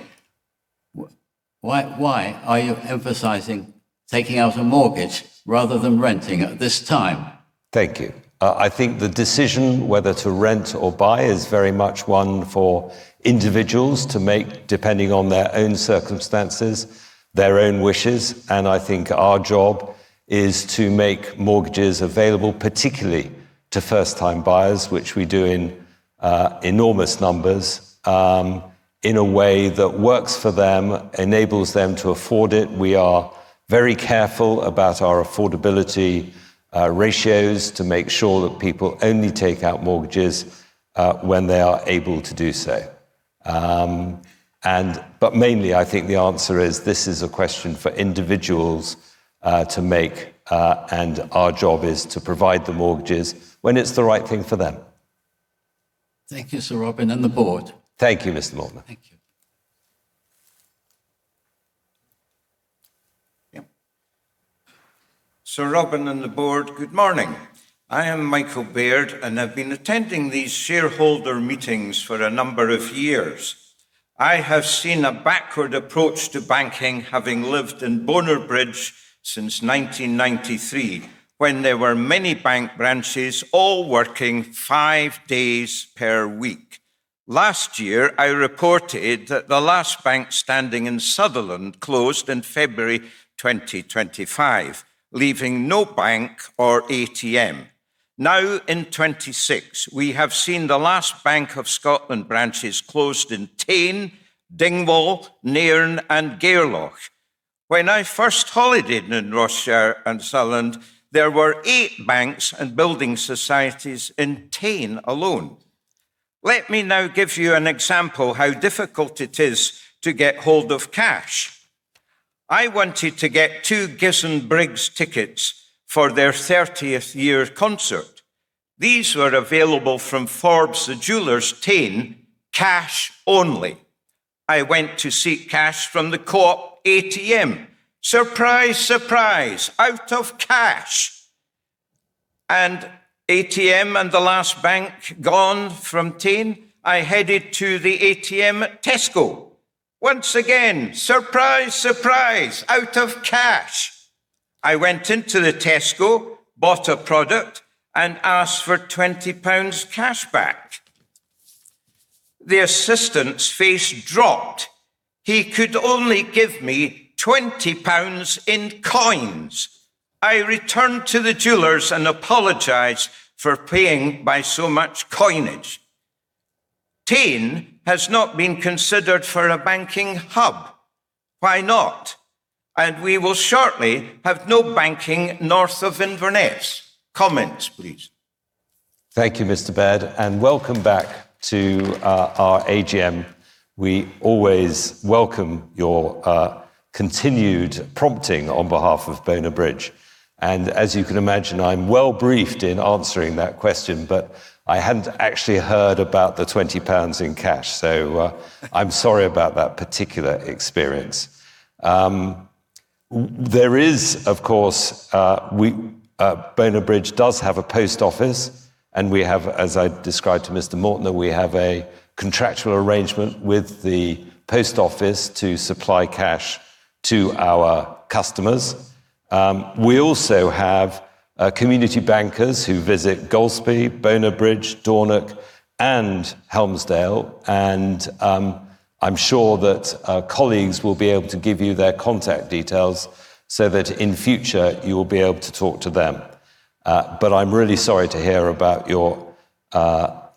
Speaker 7: Why are you emphasizing taking out a mortgage rather than renting at this time?
Speaker 1: Thank you. I think the decision whether to rent or buy is very much one for individuals to make depending on their own circumstances, their own wishes, and I think our job is to make mortgages available, particularly to first-time buyers, which we do in enormous numbers, in a way that works for them, enables them to afford it. We are very careful about our affordability ratios to make sure that people only take out mortgages when they are able to do so. Mainly I think the answer is this is a question for individuals to make, and our job is to provide the mortgages when it's the right thing for them.
Speaker 7: Thank you, Sir Robin, and the board.
Speaker 1: Thank you, Mr. Mortner.
Speaker 8: Sir Robin and the board, good morning. I am Michael Baird and have been attending these shareholder meetings for a number of years. I have seen a backward approach to banking having lived in Bonar Bridge since 1993 when there were many bank branches all working five days per week. Last year, I reported that the last bank standing in Sutherland closed in February 2025, leaving no bank or ATM. Now in 2026, we have seen the last Bank of Scotland branches closed in Tain, Dingwall, Nairn, and Gairloch. When I first holidayed in Ross-shire and Sutherland, there were 8 banks and building societies in Tain alone. Let me now give you an example how difficult it is to get hold of cash. I wanted to get two Bishop Briggs tickets for their 30th year concert. These were available from Forbes Jewellers Tain, cash only. I went to seek cash from the Co-op ATM. Surprise, surprise, out of cash. ATM and the last bank gone from Tain, I headed to the ATM at Tesco. Once again, surprise, out of cash. I went into the Tesco, bought a product, and asked for 20 pounds cash back. The assistant's face dropped. He could only give me 20 pounds in coins. I returned to the jewelers and apologized for paying by so much coinage. Tain has not been considered for a banking hub. Why not? We will shortly have no banking north of Inverness. Comments, please.
Speaker 1: Thank you, Mr. Baird, welcome back to our AGM. We always welcome your continued prompting on behalf of Bonar Bridge. As you can imagine, I'm well briefed in answering that question, but I hadn't actually heard about the 20 pounds in cash, so I'm sorry about that particular experience. There is of course, we Bonar Bridge does have a post office and we have, as I described to Mr. Mortner, that we have a contractual arrangement with the post office to supply cash to our customers. We also have community bankers who visit Golspie, Bonar Bridge, Dornoch, and Helmsdale, I'm sure that our colleagues will be able to give you their contact details so that in future you will be able to talk to them. I'm really sorry to hear about your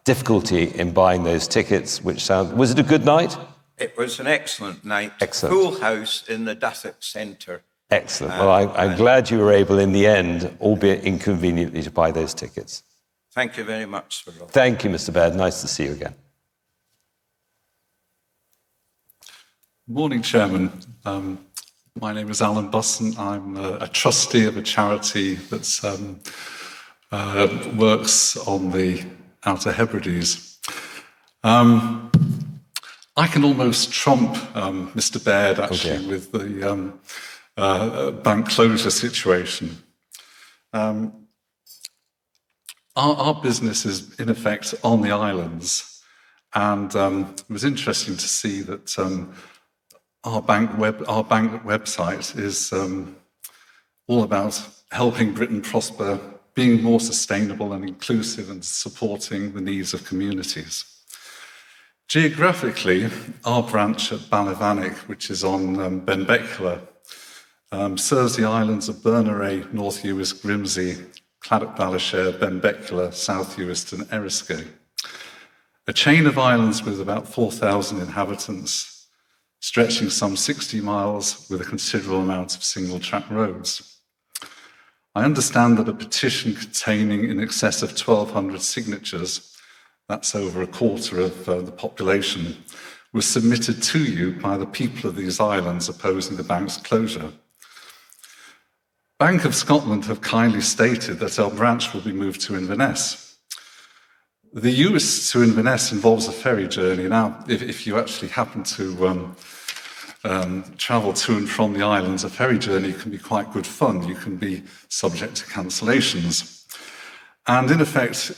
Speaker 1: difficulty in buying those tickets which sound. Was it a good night?
Speaker 8: It was an excellent night.
Speaker 1: Excellent.
Speaker 8: Full house in the Dornoch Center.
Speaker 1: Excellent. Well, I'm glad you were able in the end, albeit inconveniently, to buy those tickets.
Speaker 8: Thank you very much for that.
Speaker 1: Thank you, Mr. Baird. Nice to see you again.
Speaker 9: Morning, Chairman. My name is Alan Busson. I'm a trustee of a charity that's works on the Outer Hebrides. I can almost trump Mr. Baird actually.
Speaker 1: Okay
Speaker 9: with the bank closure situation. Our business is in effect on the islands and it was interesting to see that our bank website is all about Helping Britain Prosper, being more sustainable and inclusive and supporting the needs of communities. Geographically, our branch at Balivanich, which is on Benbecula, serves the islands of Berneray, North Uist, Grimsay, Claddock, Baleshare, Benbecula, South Uist, and Eriskay. A chain of islands with about 4,000 inhabitants stretching some 60mi with a considerable amount of single-track roads. I understand that a petition containing in excess of 1,200 signatures, that's over a quarter of the population, was submitted to you by the people of these islands opposing the bank's closure. Bank of Scotland have kindly stated that our branch will be moved to Inverness. The Uist to Inverness involves a ferry journey. If you actually happen to travel to and from the islands, a ferry journey can be quite good fun. You can be subject to cancellations. In effect,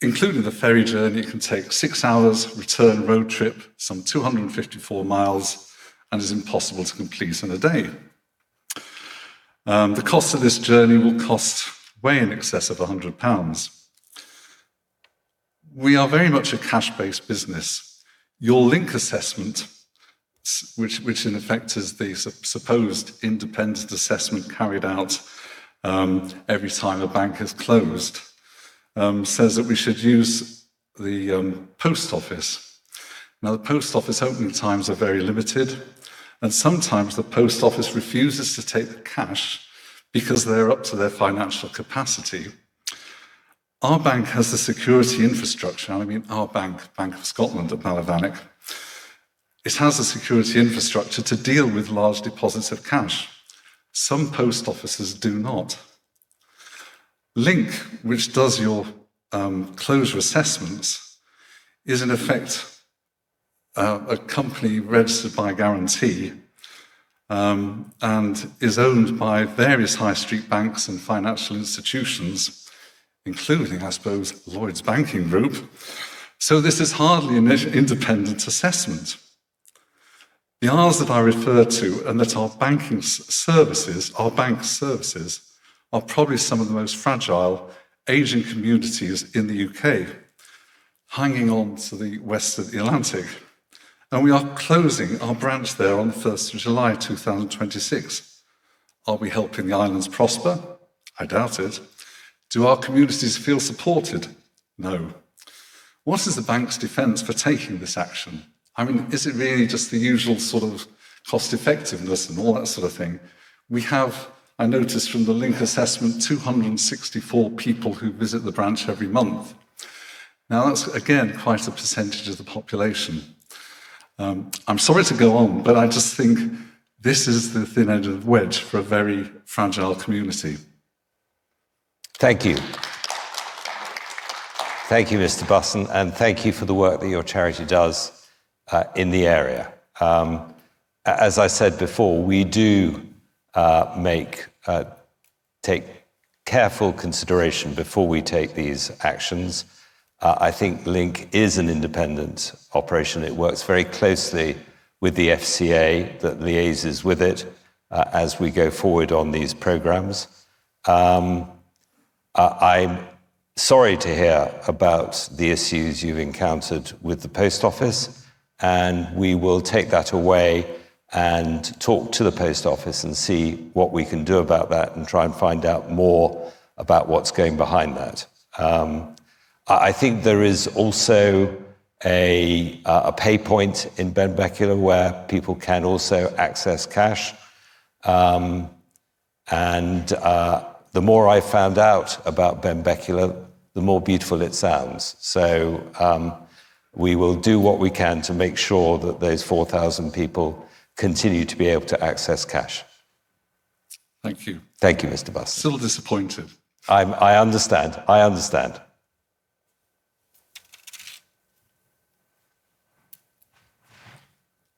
Speaker 9: including the ferry journey, it can take 6 hours return road trip, some 254mi, and is impossible to complete in a day. The cost of this journey will cost way in excess of 100 pounds. We are very much a cash-based business. Your LINK assessment, which in effect is the supposed independent assessment carried out every time a bank has closed, says that we should use the post office. The post office opening times are very limited, and sometimes the post office refuses to take the cash because they're up to their financial capacity. Our bank has the security infrastructure, and I mean our bank, Bank of Scotland at Balivanich, it has a security infrastructure to deal with large deposits of cash. Some post offices do not. Link, which does your closure assessments is in effect a company registered by a guarantee, and is owned by various high street banks and financial institutions, including, I suppose, Lloyds Banking Group. This is hardly an independent assessment. The isles that I refer to and that our bank services are probably some of the most fragile island communities in the U.K. hanging on to the western Atlantic, and we are closing our branch there on the 1st of July 2026. Are we helping the islands prosper? I doubt it. Do our communities feel supported? No. What is the bank's defense for taking this action? I mean, is it really just the usual sort of cost effectiveness and all that sort of thing? We have, I noticed from the LINK assessment, 264 people who visit the branch every month. Now, that's again, quite a percentage of the population. I'm sorry to go on, but I just think this is the thin edge of the wedge for a very fragile community.
Speaker 1: Thank you. Thank you, Mr. Busson, and thank you for the work that your charity does in the area. As I said before, we do take careful consideration before we take these actions. I think LINK is an independent operation. It works very closely with the FCA that liaises with it as we go forward on these programs. I'm sorry to hear about the issues you've encountered with the post office, and we will take that away and talk to the post office and see what we can do about that and try and find out more about what's going behind that. I think there is also a PayPoint in Benbecula where people can also access cash. The more I found out about Benbecula, the more beautiful it sounds. We will do what we can to make sure that those 4,000 people continue to be able to access cash.
Speaker 9: Thank you.
Speaker 1: Thank you, Mr. Busson.
Speaker 9: Still disappointed.
Speaker 1: I understand. I understand.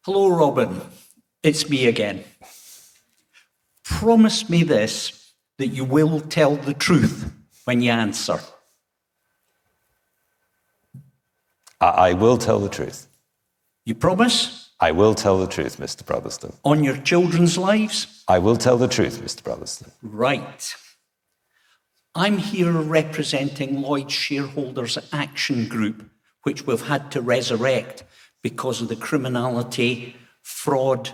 Speaker 10: Hello, Robin. It's me again. Promise me this, that you will tell the truth when you answer.
Speaker 1: I will tell the truth.
Speaker 10: You promise?
Speaker 1: I will tell the truth, Mr. Brotherston.
Speaker 10: On your children's lives?
Speaker 1: I will tell the truth, Mr. Brotherston.
Speaker 10: Right. I'm here representing Lloyds Shareholders Action Group, which we've had to resurrect because of the criminality, fraud,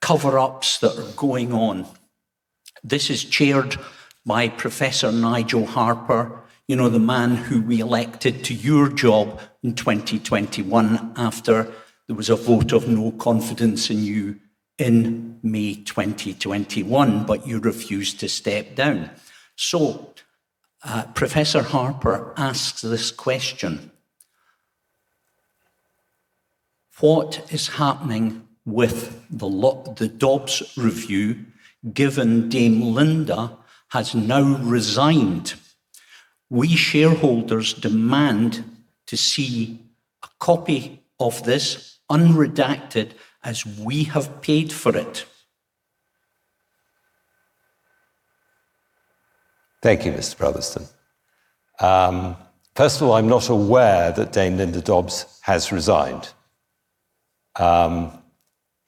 Speaker 10: cover-ups that are going on. This is chaired by Professor Nigel Harper, you know, the man who we elected to your job in 2021 after there was a vote of no confidence in you in May 2021. You refused to step down. Professor Harper asks this question: What is happening with the Dobbs review given Dame Linda has now resigned? We shareholders demand to see a copy of this unredacted as we have paid for it.
Speaker 1: Thank you, Mr. Brotherston. First of all, I'm not aware that Dame Linda Dobbs has resigned.
Speaker 10: Well,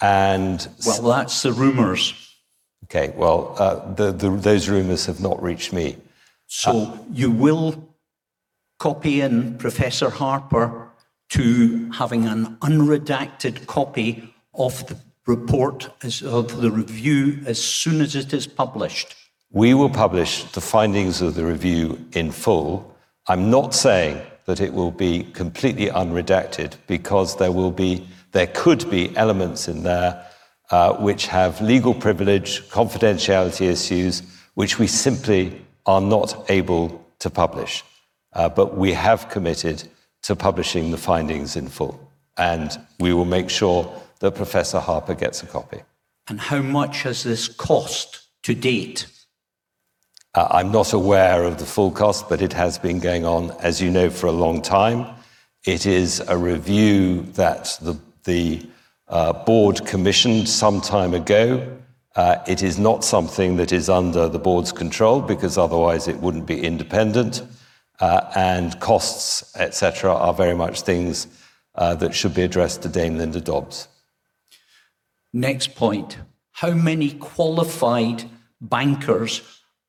Speaker 10: that's the rumors.
Speaker 1: Okay. Well, the those rumors have not reached me.
Speaker 10: You will copy in Professor Harper to having an unredacted copy of the report of the review as soon as it is published.
Speaker 1: We will publish the findings of the review in full. I'm not saying that it will be completely unredacted because there could be elements in there, which have legal privilege, confidentiality issues, which we simply are not able to publish. We have committed to publishing the findings in full, and we will make sure that Professor Harper gets a copy.
Speaker 10: How much has this cost to-date?
Speaker 1: I'm not aware of the full cost, but it has been going on, as you know, for a long time. It is a review that the board commissioned some time ago. It is not something that is under the board's control because otherwise it wouldn't be independent. Costs, et cetera, are very much things, that should be addressed to Dame Linda Dobbs.
Speaker 10: Next point. How many qualified bankers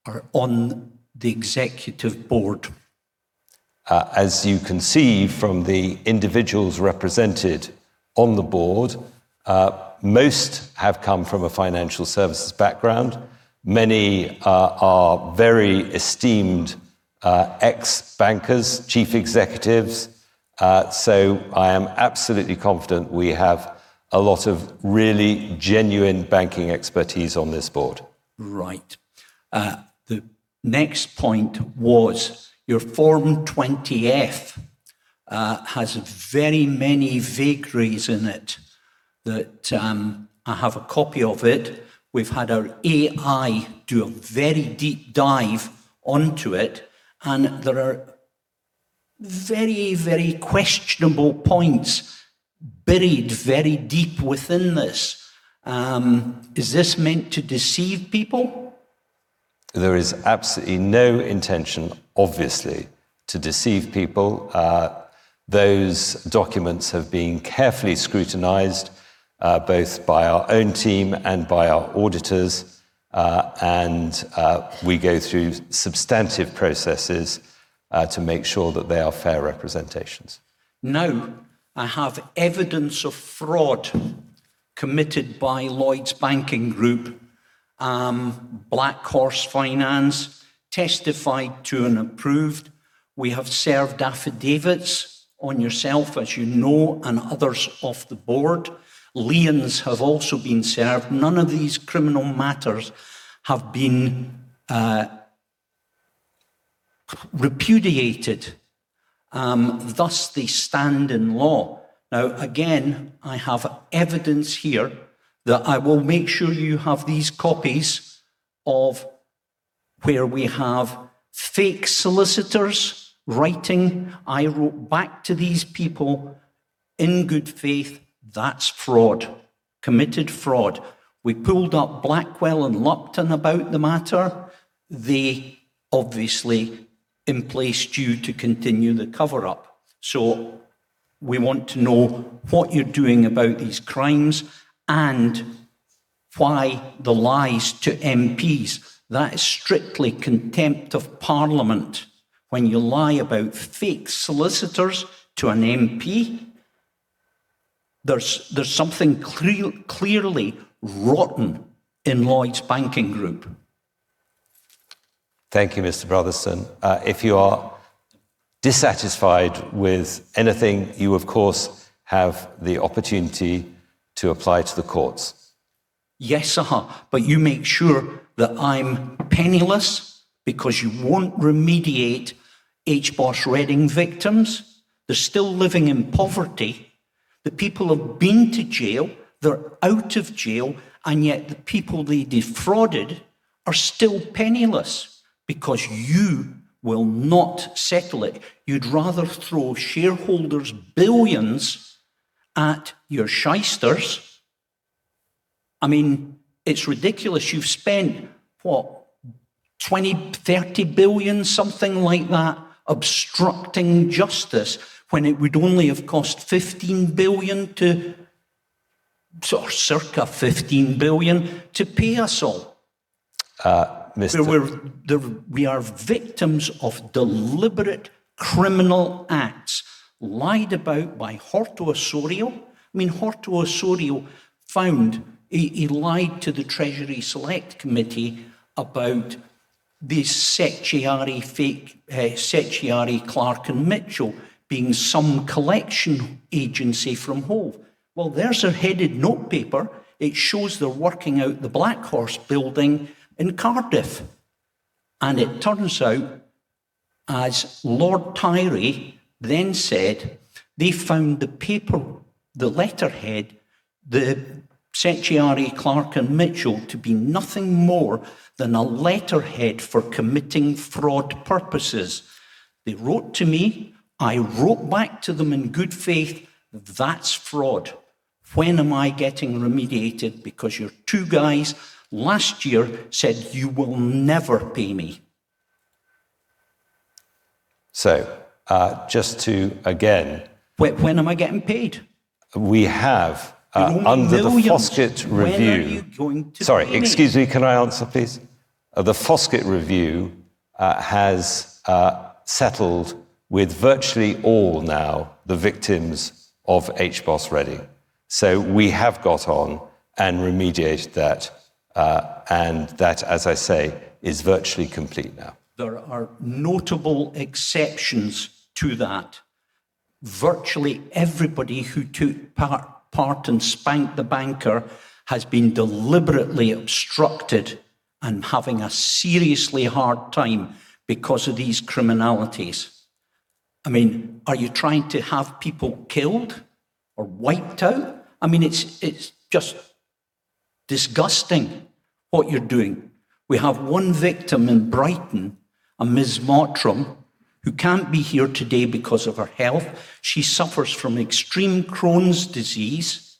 Speaker 10: are on the executive board?
Speaker 1: As you can see from the individuals represented on the board, most have come from a financial services background. Many are very esteemed, ex-bankers, chief executives. I am absolutely confident we have a lot of really genuine banking expertise on this board.
Speaker 10: Right. The next point was your Form 20-F has very many vagaries in it that I have a copy of it. We've had our AI do a very deep dive onto it, and there are very, very questionable points buried very deep within this. Is this meant to deceive people?
Speaker 1: There is absolutely no intention, obviously, to deceive people. Those documents have been carefully scrutinized, both by our own team and by our auditors. We go through substantive processes to make sure that they are fair representations.
Speaker 10: I have evidence of fraud committed by Lloyds Banking Group, Black Horse Finance testified to and approved. We have served affidavits on yourself, as you know, and others of the board. Liens have also been served. None of these criminal matters have been repudiated, thus they stand in law. Again, I have evidence here that I will make sure you have these copies of where we have fake solicitors writing. I wrote back to these people in good faith. That's fraud. Committed fraud. We pulled up Blackwell & Lupton about the matter. They obviously emplaced you to continue the cover-up. We want to know what you're doing about these crimes and why the lies to MPs. That is strictly contempt of Parliament. When you lie about fake solicitors to an MP, there's something clearly rotten in Lloyds Banking Group.
Speaker 1: Thank you, Mr. Brotherston. If you are dissatisfied with anything, you of course have the opportunity to apply to the courts.
Speaker 10: Yes, sir, but you make sure that I'm penniless because you won't remediate HBOS Reading victims. They're still living in poverty. The people have been to jail, they're out of jail, and yet the people they defrauded are still penniless because you will not settle it. You'd rather throw shareholders billions at your shysters. I mean, it's ridiculous. You've spent, what, 20 billion, 30 billion, something like that, obstructing justice when it would only have cost 15 billion to, or circa 15 billion, to pay us all.
Speaker 1: Uh, Mr-
Speaker 10: We are victims of deliberate criminal acts lied about by Horta-Osório. I mean, Horta-Osório found a lie to the Treasury Select Committee about the Sechiari fake, Sechiari, Clark, and Mitchell being some collection agency from Hull. Well, there's a headed note paper. It shows they're working out the Black Horse building in Cardiff. It turns out, as Lord Tyrie then said, they found the paper, the letterhead, the Sechiari, Clark, and Mitchell, to be nothing more than a letterhead for committing fraud purposes. They wrote to me. I wrote back to them in good faith. That's fraud. When am I getting remediated because your two guys last year said you will never pay me?
Speaker 1: So, uh, just to, again-
Speaker 10: When am I getting paid?
Speaker 1: We have.
Speaker 10: Millions
Speaker 1: under the Foskett Review.
Speaker 10: When are you going to pay me?
Speaker 1: Sorry. Excuse me. Can I answer, please? The Foskett Review has settled with virtually all now the victims of HBOS Reading. We have got on and remediated that, and that, as I say, is virtually complete now.
Speaker 10: There are notable exceptions to that. Virtually everybody who took part in Spank the Banker has been deliberately obstructed and having a seriously hard time because of these criminalities. I mean, are you trying to have people killed or wiped out? I mean, it's just disgusting what you're doing. We have one victim in Brighton, a Ms. Mottram, who can't be here today because of her health. She suffers from extreme Crohn's disease.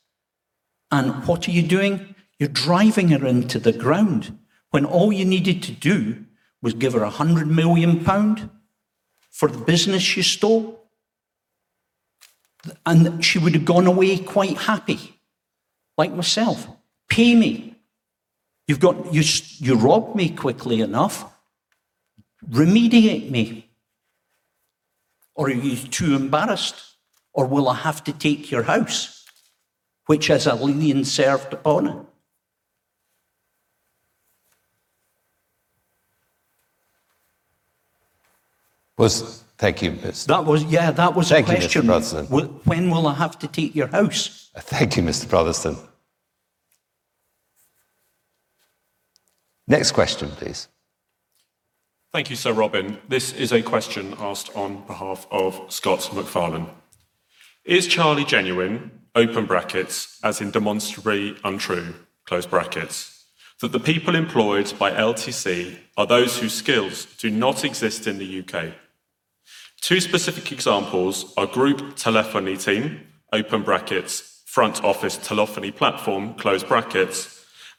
Speaker 10: What are you doing? You're driving her into the ground when all you needed to do was give her 100 million pound for the business you stole. She would have gone away quite happy, like myself. Pay me. You've got You robbed me quickly enough. Remediate me. Are you too embarrassed? Will I have to take your house, which has a lien served on it?
Speaker 1: Thank you.
Speaker 10: That was, yeah, that was the question.
Speaker 1: Thank you, Mr. Brotherston.
Speaker 10: When will I have to take your house?
Speaker 1: Thank you, Mr. Brotherston. Next question, please.
Speaker 11: Thank you, Sir Robin. This is a question asked on behalf of Scott McFarlane. Is Charlie genuine, as in demonstrably untrue, that the people employed by LTC are those whose skills do not exist in the U.K.? Two specific examples are group telephony team, front office telephony platform,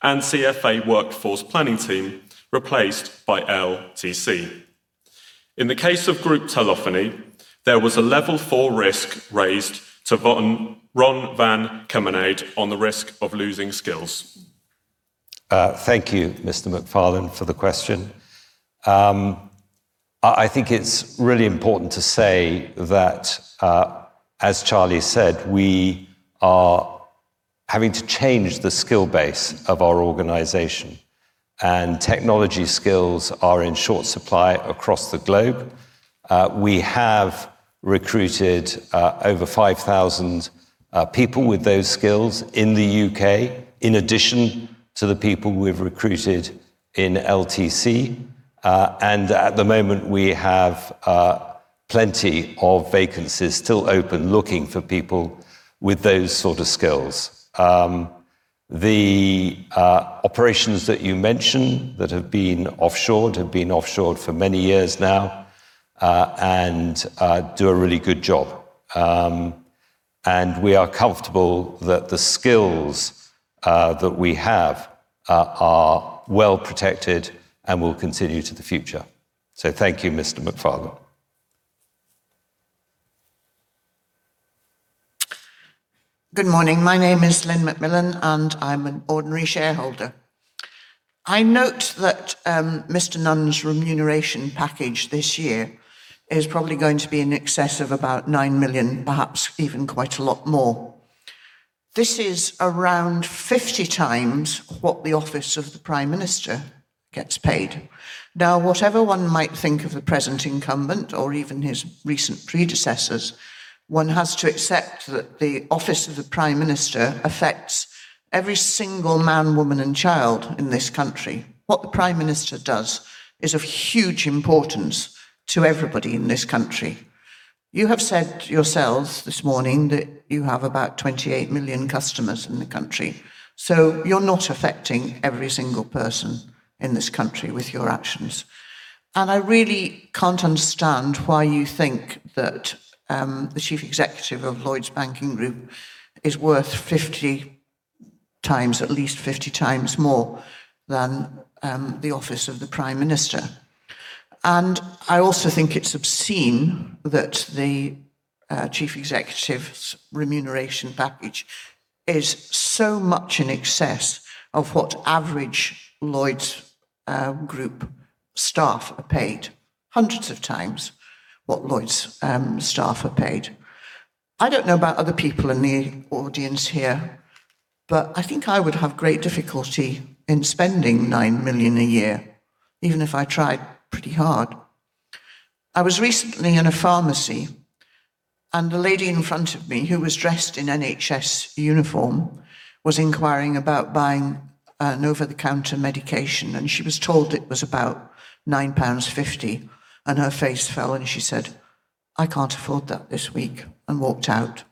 Speaker 11: and CFA workforce planning team replaced by LTC. In the case of group telephony, there was a level 4 risk raised to Ron van Kemenade on the risk of losing skills.
Speaker 1: Thank you, Mr. McFarlane, for the question. I think it's really important to say that, as Charlie said, we are having to change the skill base of our organization and technology skills are in short supply across the globe. We have recruited over 5,000 people with those skills in the U.K. in addition to the people we've recruited in LTC. At the moment, we have plenty of vacancies still open looking for people with those sort of skills. The operations that you mention that have been offshored have been offshored for many years now and do a really good job. We are comfortable that the skills that we have are well protected and will continue to the future. Thank you, Mr. McFarlane.
Speaker 12: Good morning. My name is Lynn McMillan, and I'm an ordinary shareholder. I note that Mr. Nunn's remuneration package this year is probably going to be in excess of about 9 million, perhaps even quite a lot more. This is around 50x what the office of the Prime Minister gets paid. Whatever one might think of the present incumbent or even his recent predecessors, one has to accept that the office of the Prime Minister affects every single man, woman, and child in this country. What the Prime Minister does is of huge importance to everybody in this country. You have said yourselves this morning that you have about 28 million customers in the country, so you're not affecting every single person in this country with your actions. I really can't understand why you think that, the chief executive of Lloyds Banking Group is worth 50x, at least 50x more than, the office of the Prime Minister. I also think it's obscene that the chief executive's remuneration package is so much in excess of what average Lloyds Group staff are paid, hundreds of times what Lloyds staff are paid. I don't know about other people in the audience here, but I think I would have great difficulty in spending 9 million a year even if I tried pretty hard. I was recently in a pharmacy and the lady in front of me, who was dressed in NHS uniform, was inquiring about buying an over-the-counter medication and she was told it was about 9.50 pounds and her face fell and she said, "I can't afford that this week," and walked out.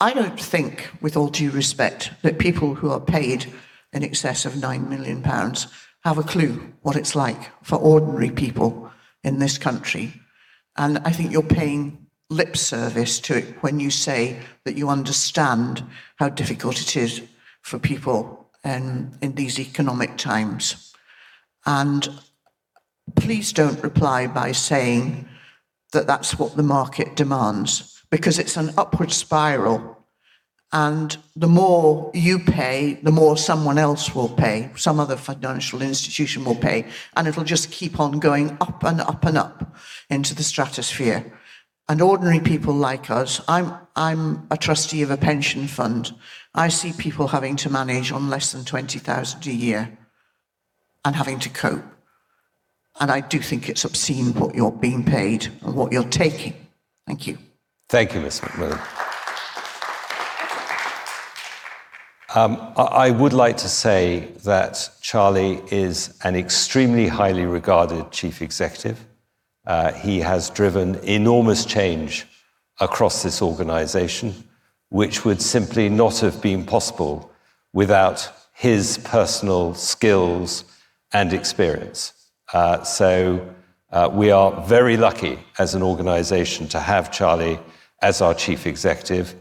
Speaker 12: I don't think, with all due respect, that people who are paid in excess of 9 million pounds have a clue what it's like for ordinary people in this country and I think you're paying lip service to it when you say that you understand how difficult it is for people in these economic times. Please don't reply by saying that that's what the market demands because it's an upward spiral and the more you pay, the more someone else will pay, some other financial institution will pay, and it'll just keep on going up and up and up into the stratosphere. Ordinary people like us, I'm a trustee of a pension fund. I see people having to manage on less than 20,000 a year and having to cope, and I do think it's obscene what you're being paid and what you're taking. Thank you.
Speaker 1: Thank you, Ms. McMillan. I would like to say that Charlie is an extremely highly regarded Chief Executive. He has driven enormous change across this organization which would simply not have been possible without his personal skills and experience. We are very lucky as an organization to have Charlie as our Chief Executive,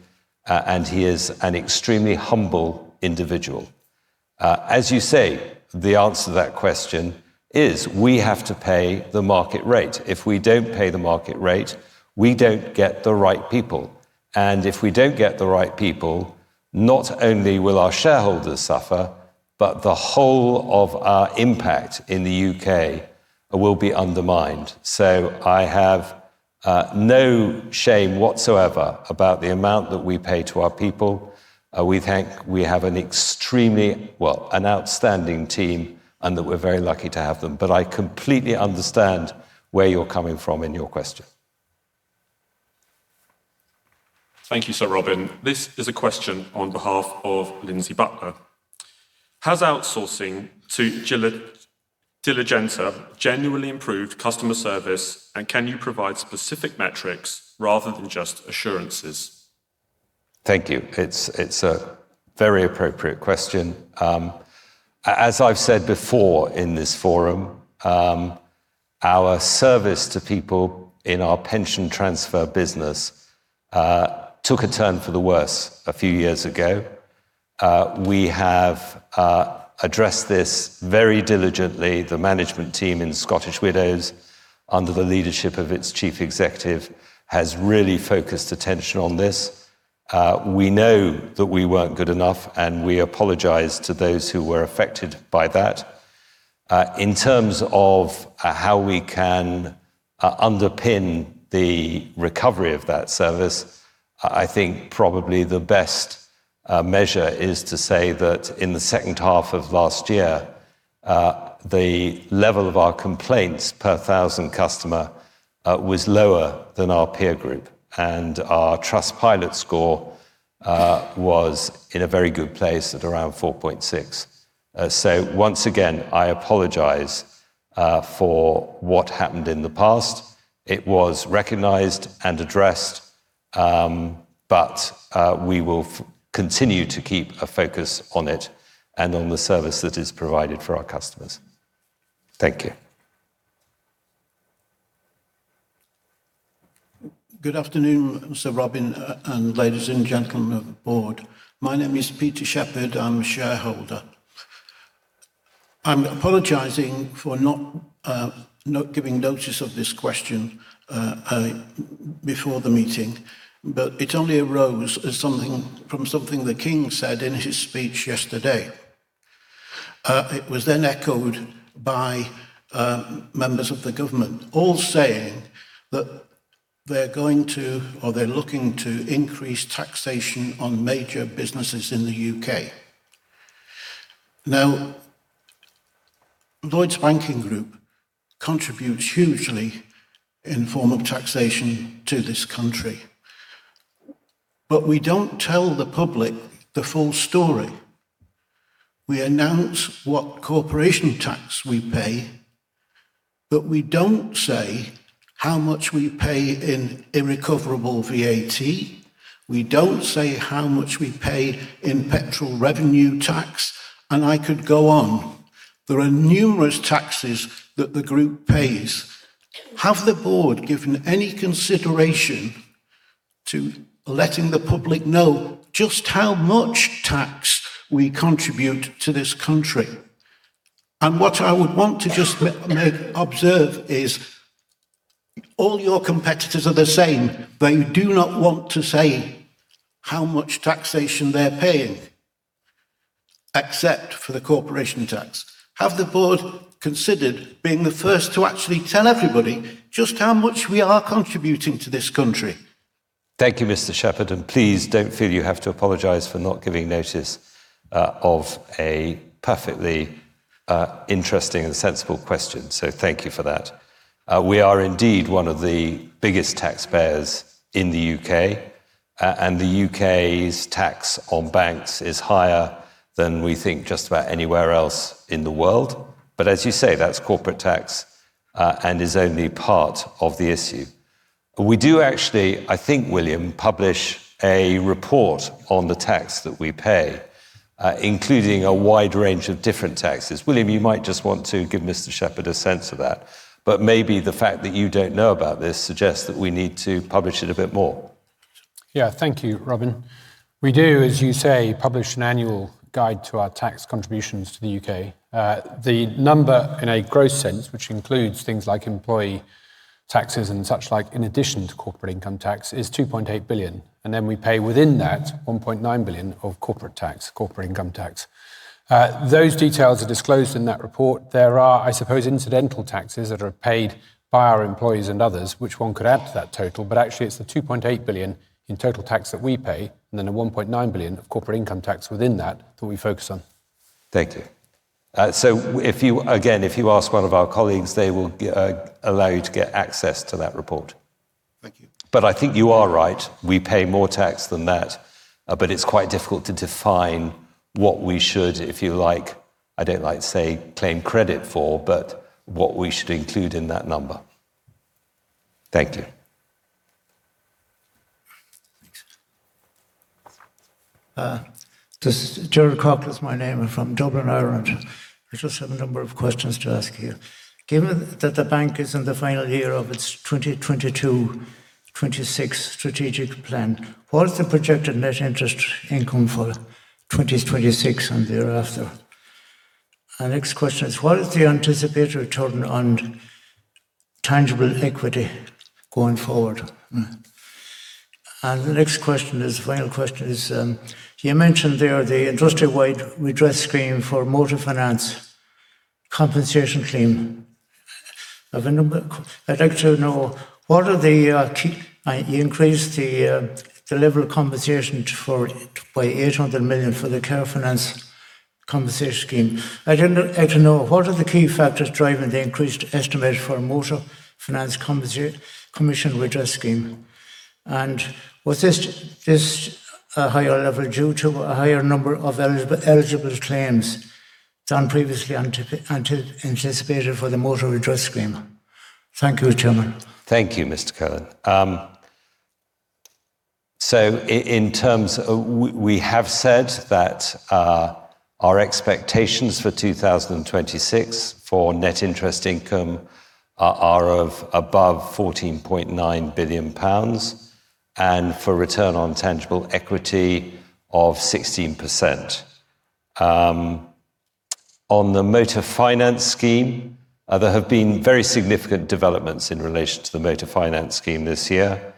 Speaker 1: and he is an extremely humble individual. As you say, the answer to that question is we have to pay the market rate. If we don't pay the market rate, we don't get the right people and if we don't get the right people, not only will our shareholders suffer, but the whole of our impact in the U.K. will be undermined. I have no shame whatsoever about the amount that we pay to our people. We have an extremely, well, an outstanding team, and that we're very lucky to have them. I completely understand where you're coming from in your question.
Speaker 11: Thank you, Sir Robin. This is a question on behalf of Lindsay Butler. Has outsourcing to Diligenta genuinely improved customer service, and can you provide specific metrics rather than just assurances?
Speaker 1: Thank you. It's a very appropriate question. As I've said before in this forum, our service to people in our pension transfer business took a turn for the worse a few years ago. We have addressed this very diligently. The management team in Scottish Widows, under the leadership of its chief executive, has really focused attention on this. We know that we weren't good enough, and we apologize to those who were affected by that. In terms of how we can underpin the recovery of that service, I think probably the best measure is to say that in the second half of last year, the level of our complaints per 1,000 customer was lower than our peer group. Our Trustpilot score was in a very good place at around 4.6. Once again, I apologize for what happened in the past. It was recognized and addressed, but we will continue to keep a focus on it and on the service that is provided for our customers. Thank you.
Speaker 13: Good afternoon, Sir Robin, and ladies and gentlemen of the Board. My name is Peter Shepherd. I'm a shareholder. I'm apologizing for not giving notice of this question before the meeting, but it only arose from something the King said in his speech yesterday. It was then echoed by members of the Government, all saying that they're going to or they're looking to increase taxation on major businesses in the U.K. Lloyds Banking Group contributes hugely in form of taxation to this country. We don't tell the public the full story. We announce what corporation tax we pay, we don't say how much we pay in irrecoverable VAT. We don't say how much we pay in petrol revenue tax. I could go on. There are numerous taxes that the Group pays. Have the Board given any consideration to letting the public know just how much tax we contribute to this country? What I would want to just observe is all your competitors are the same. They do not want to say how much taxation they're paying, except for the corporation tax. Have the Board considered being the first to actually tell everybody just how much we are contributing to this country?
Speaker 1: Thank you, Mr. Shepherd. Please don't feel you have to apologize for not giving notice of a perfectly interesting and sensible question. Thank you for that. We are indeed one of the biggest taxpayers in the U.K. The U.K.'s tax on banks is higher than we think just about anywhere else in the world. As you say, that's corporate tax and is only part of the issue. We do actually, I think, William, publish a report on the tax that we pay, including a wide range of different taxes. William, you might just want to give Mr. Shepherd a sense of that. Maybe the fact that you don't know about this suggests that we need to publish it a bit more.
Speaker 14: Thank you, Robin. We do, as you say, publish an annual guide to our tax contributions to the U.K. The number in a gross sense, which includes things like employee taxes and such like in addition to corporate income tax, is 2.8 billion. Then we pay within that 1.9 billion of corporate tax, corporate income tax. Those details are disclosed in that report. There are, I suppose, incidental taxes that are paid by our employees and others, which one could add to that total. Actually, it's the 2.8 billion in total tax that we pay, and then the 1.9 billion of corporate income tax within that that we focus on.
Speaker 1: Thank you. If you, again, if you ask one of our colleagues, they will allow you to get access to that report.
Speaker 13: Thank you.
Speaker 1: I think you are right. We pay more tax than that. It's quite difficult to define what we should, if you like, I don't like to say claim credit for, but what we should include in that number. Thank you.
Speaker 15: Gerald Cox is my name. I'm from Dublin, Ireland. I just have a number of questions to ask you. Given that the bank is in the final year of its 2022, 2026 strategic plan, what is the projected net interest income for 2026 and thereafter? My next question is, what is the anticipated return on tangible equity going forward? The next question is, final question is, you mentioned there the industry-wide redress scheme for motor finance compensation claim. I'd like to know, you increased the level of compensation by 800 million for the motor finance compensation scheme. I'd like to know, what are the key factors driving the increased estimate for motor finance commission redress scheme? Was this a higher level due to a higher number of eligible claims than previously anticipated for the motor redress scheme? Thank you, Chairman.
Speaker 1: Thank you, Mr. Cox. So in terms of We have said that our expectations for 2026 for net interest income are of above 14.9 billion pounds and for return on tangible equity of 16%. On the motor finance scheme, there have been very significant developments in relation to the motor finance scheme this year.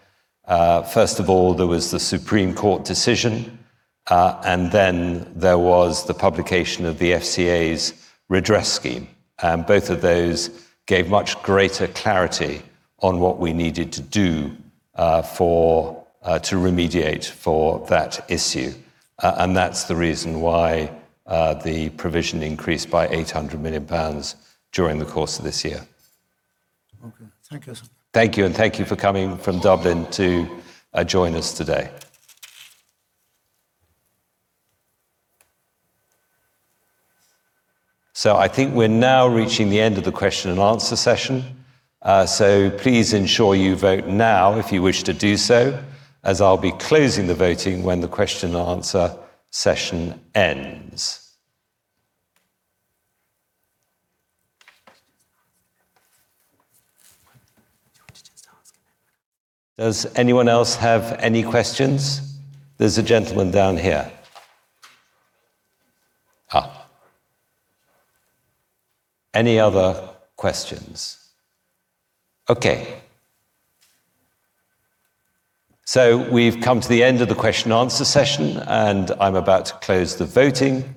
Speaker 1: First of all, there was the Supreme Court decision, and then there was the publication of the FCA's redress scheme. Both of those gave much greater clarity on what we needed to do to remediate for that issue. That's the reason why the provision increased by 800 million pounds during the course of this year.
Speaker 15: Okay. Thank you.
Speaker 1: Thank you, and thank you for coming from Dublin to join us today. I think we're now reaching the end of the question-and-answer session. Please ensure you vote now if you wish to do so, as I'll be closing the voting when the question-and-answer session ends. Does anyone else have any questions? There's a gentleman down here. Any other questions? Okay. We've come to the end of the question-and-answer session, and I'm about to close the voting.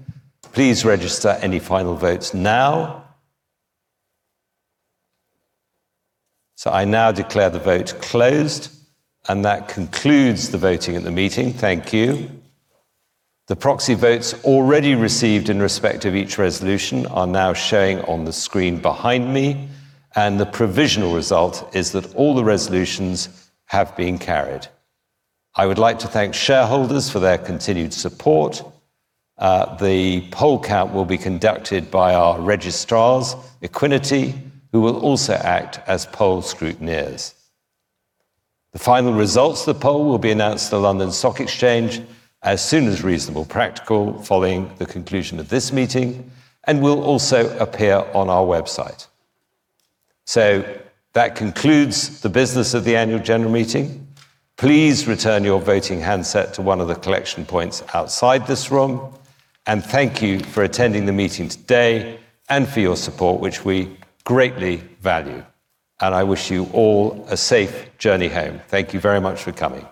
Speaker 1: Please register any final votes now. I now declare the vote closed, and that concludes the voting at the meeting. Thank you. The proxy votes already received in respect of each resolution are now showing on the screen behind me, and the provisional result is that all the resolutions have been carried. I would like to thank shareholders for their continued support. The poll count will be conducted by our registrars, Equiniti, who will also act as poll scrutineers. The final results of the poll will be announced to the London Stock Exchange as soon as reasonable practical following the conclusion of this meeting and will also appear on our website. That concludes the business of the annual general meeting. Please return your voting handset to one of the collection points outside this room. Thank you for attending the meeting today and for your support, which we greatly value. I wish you all a safe journey home. Thank you very much for coming.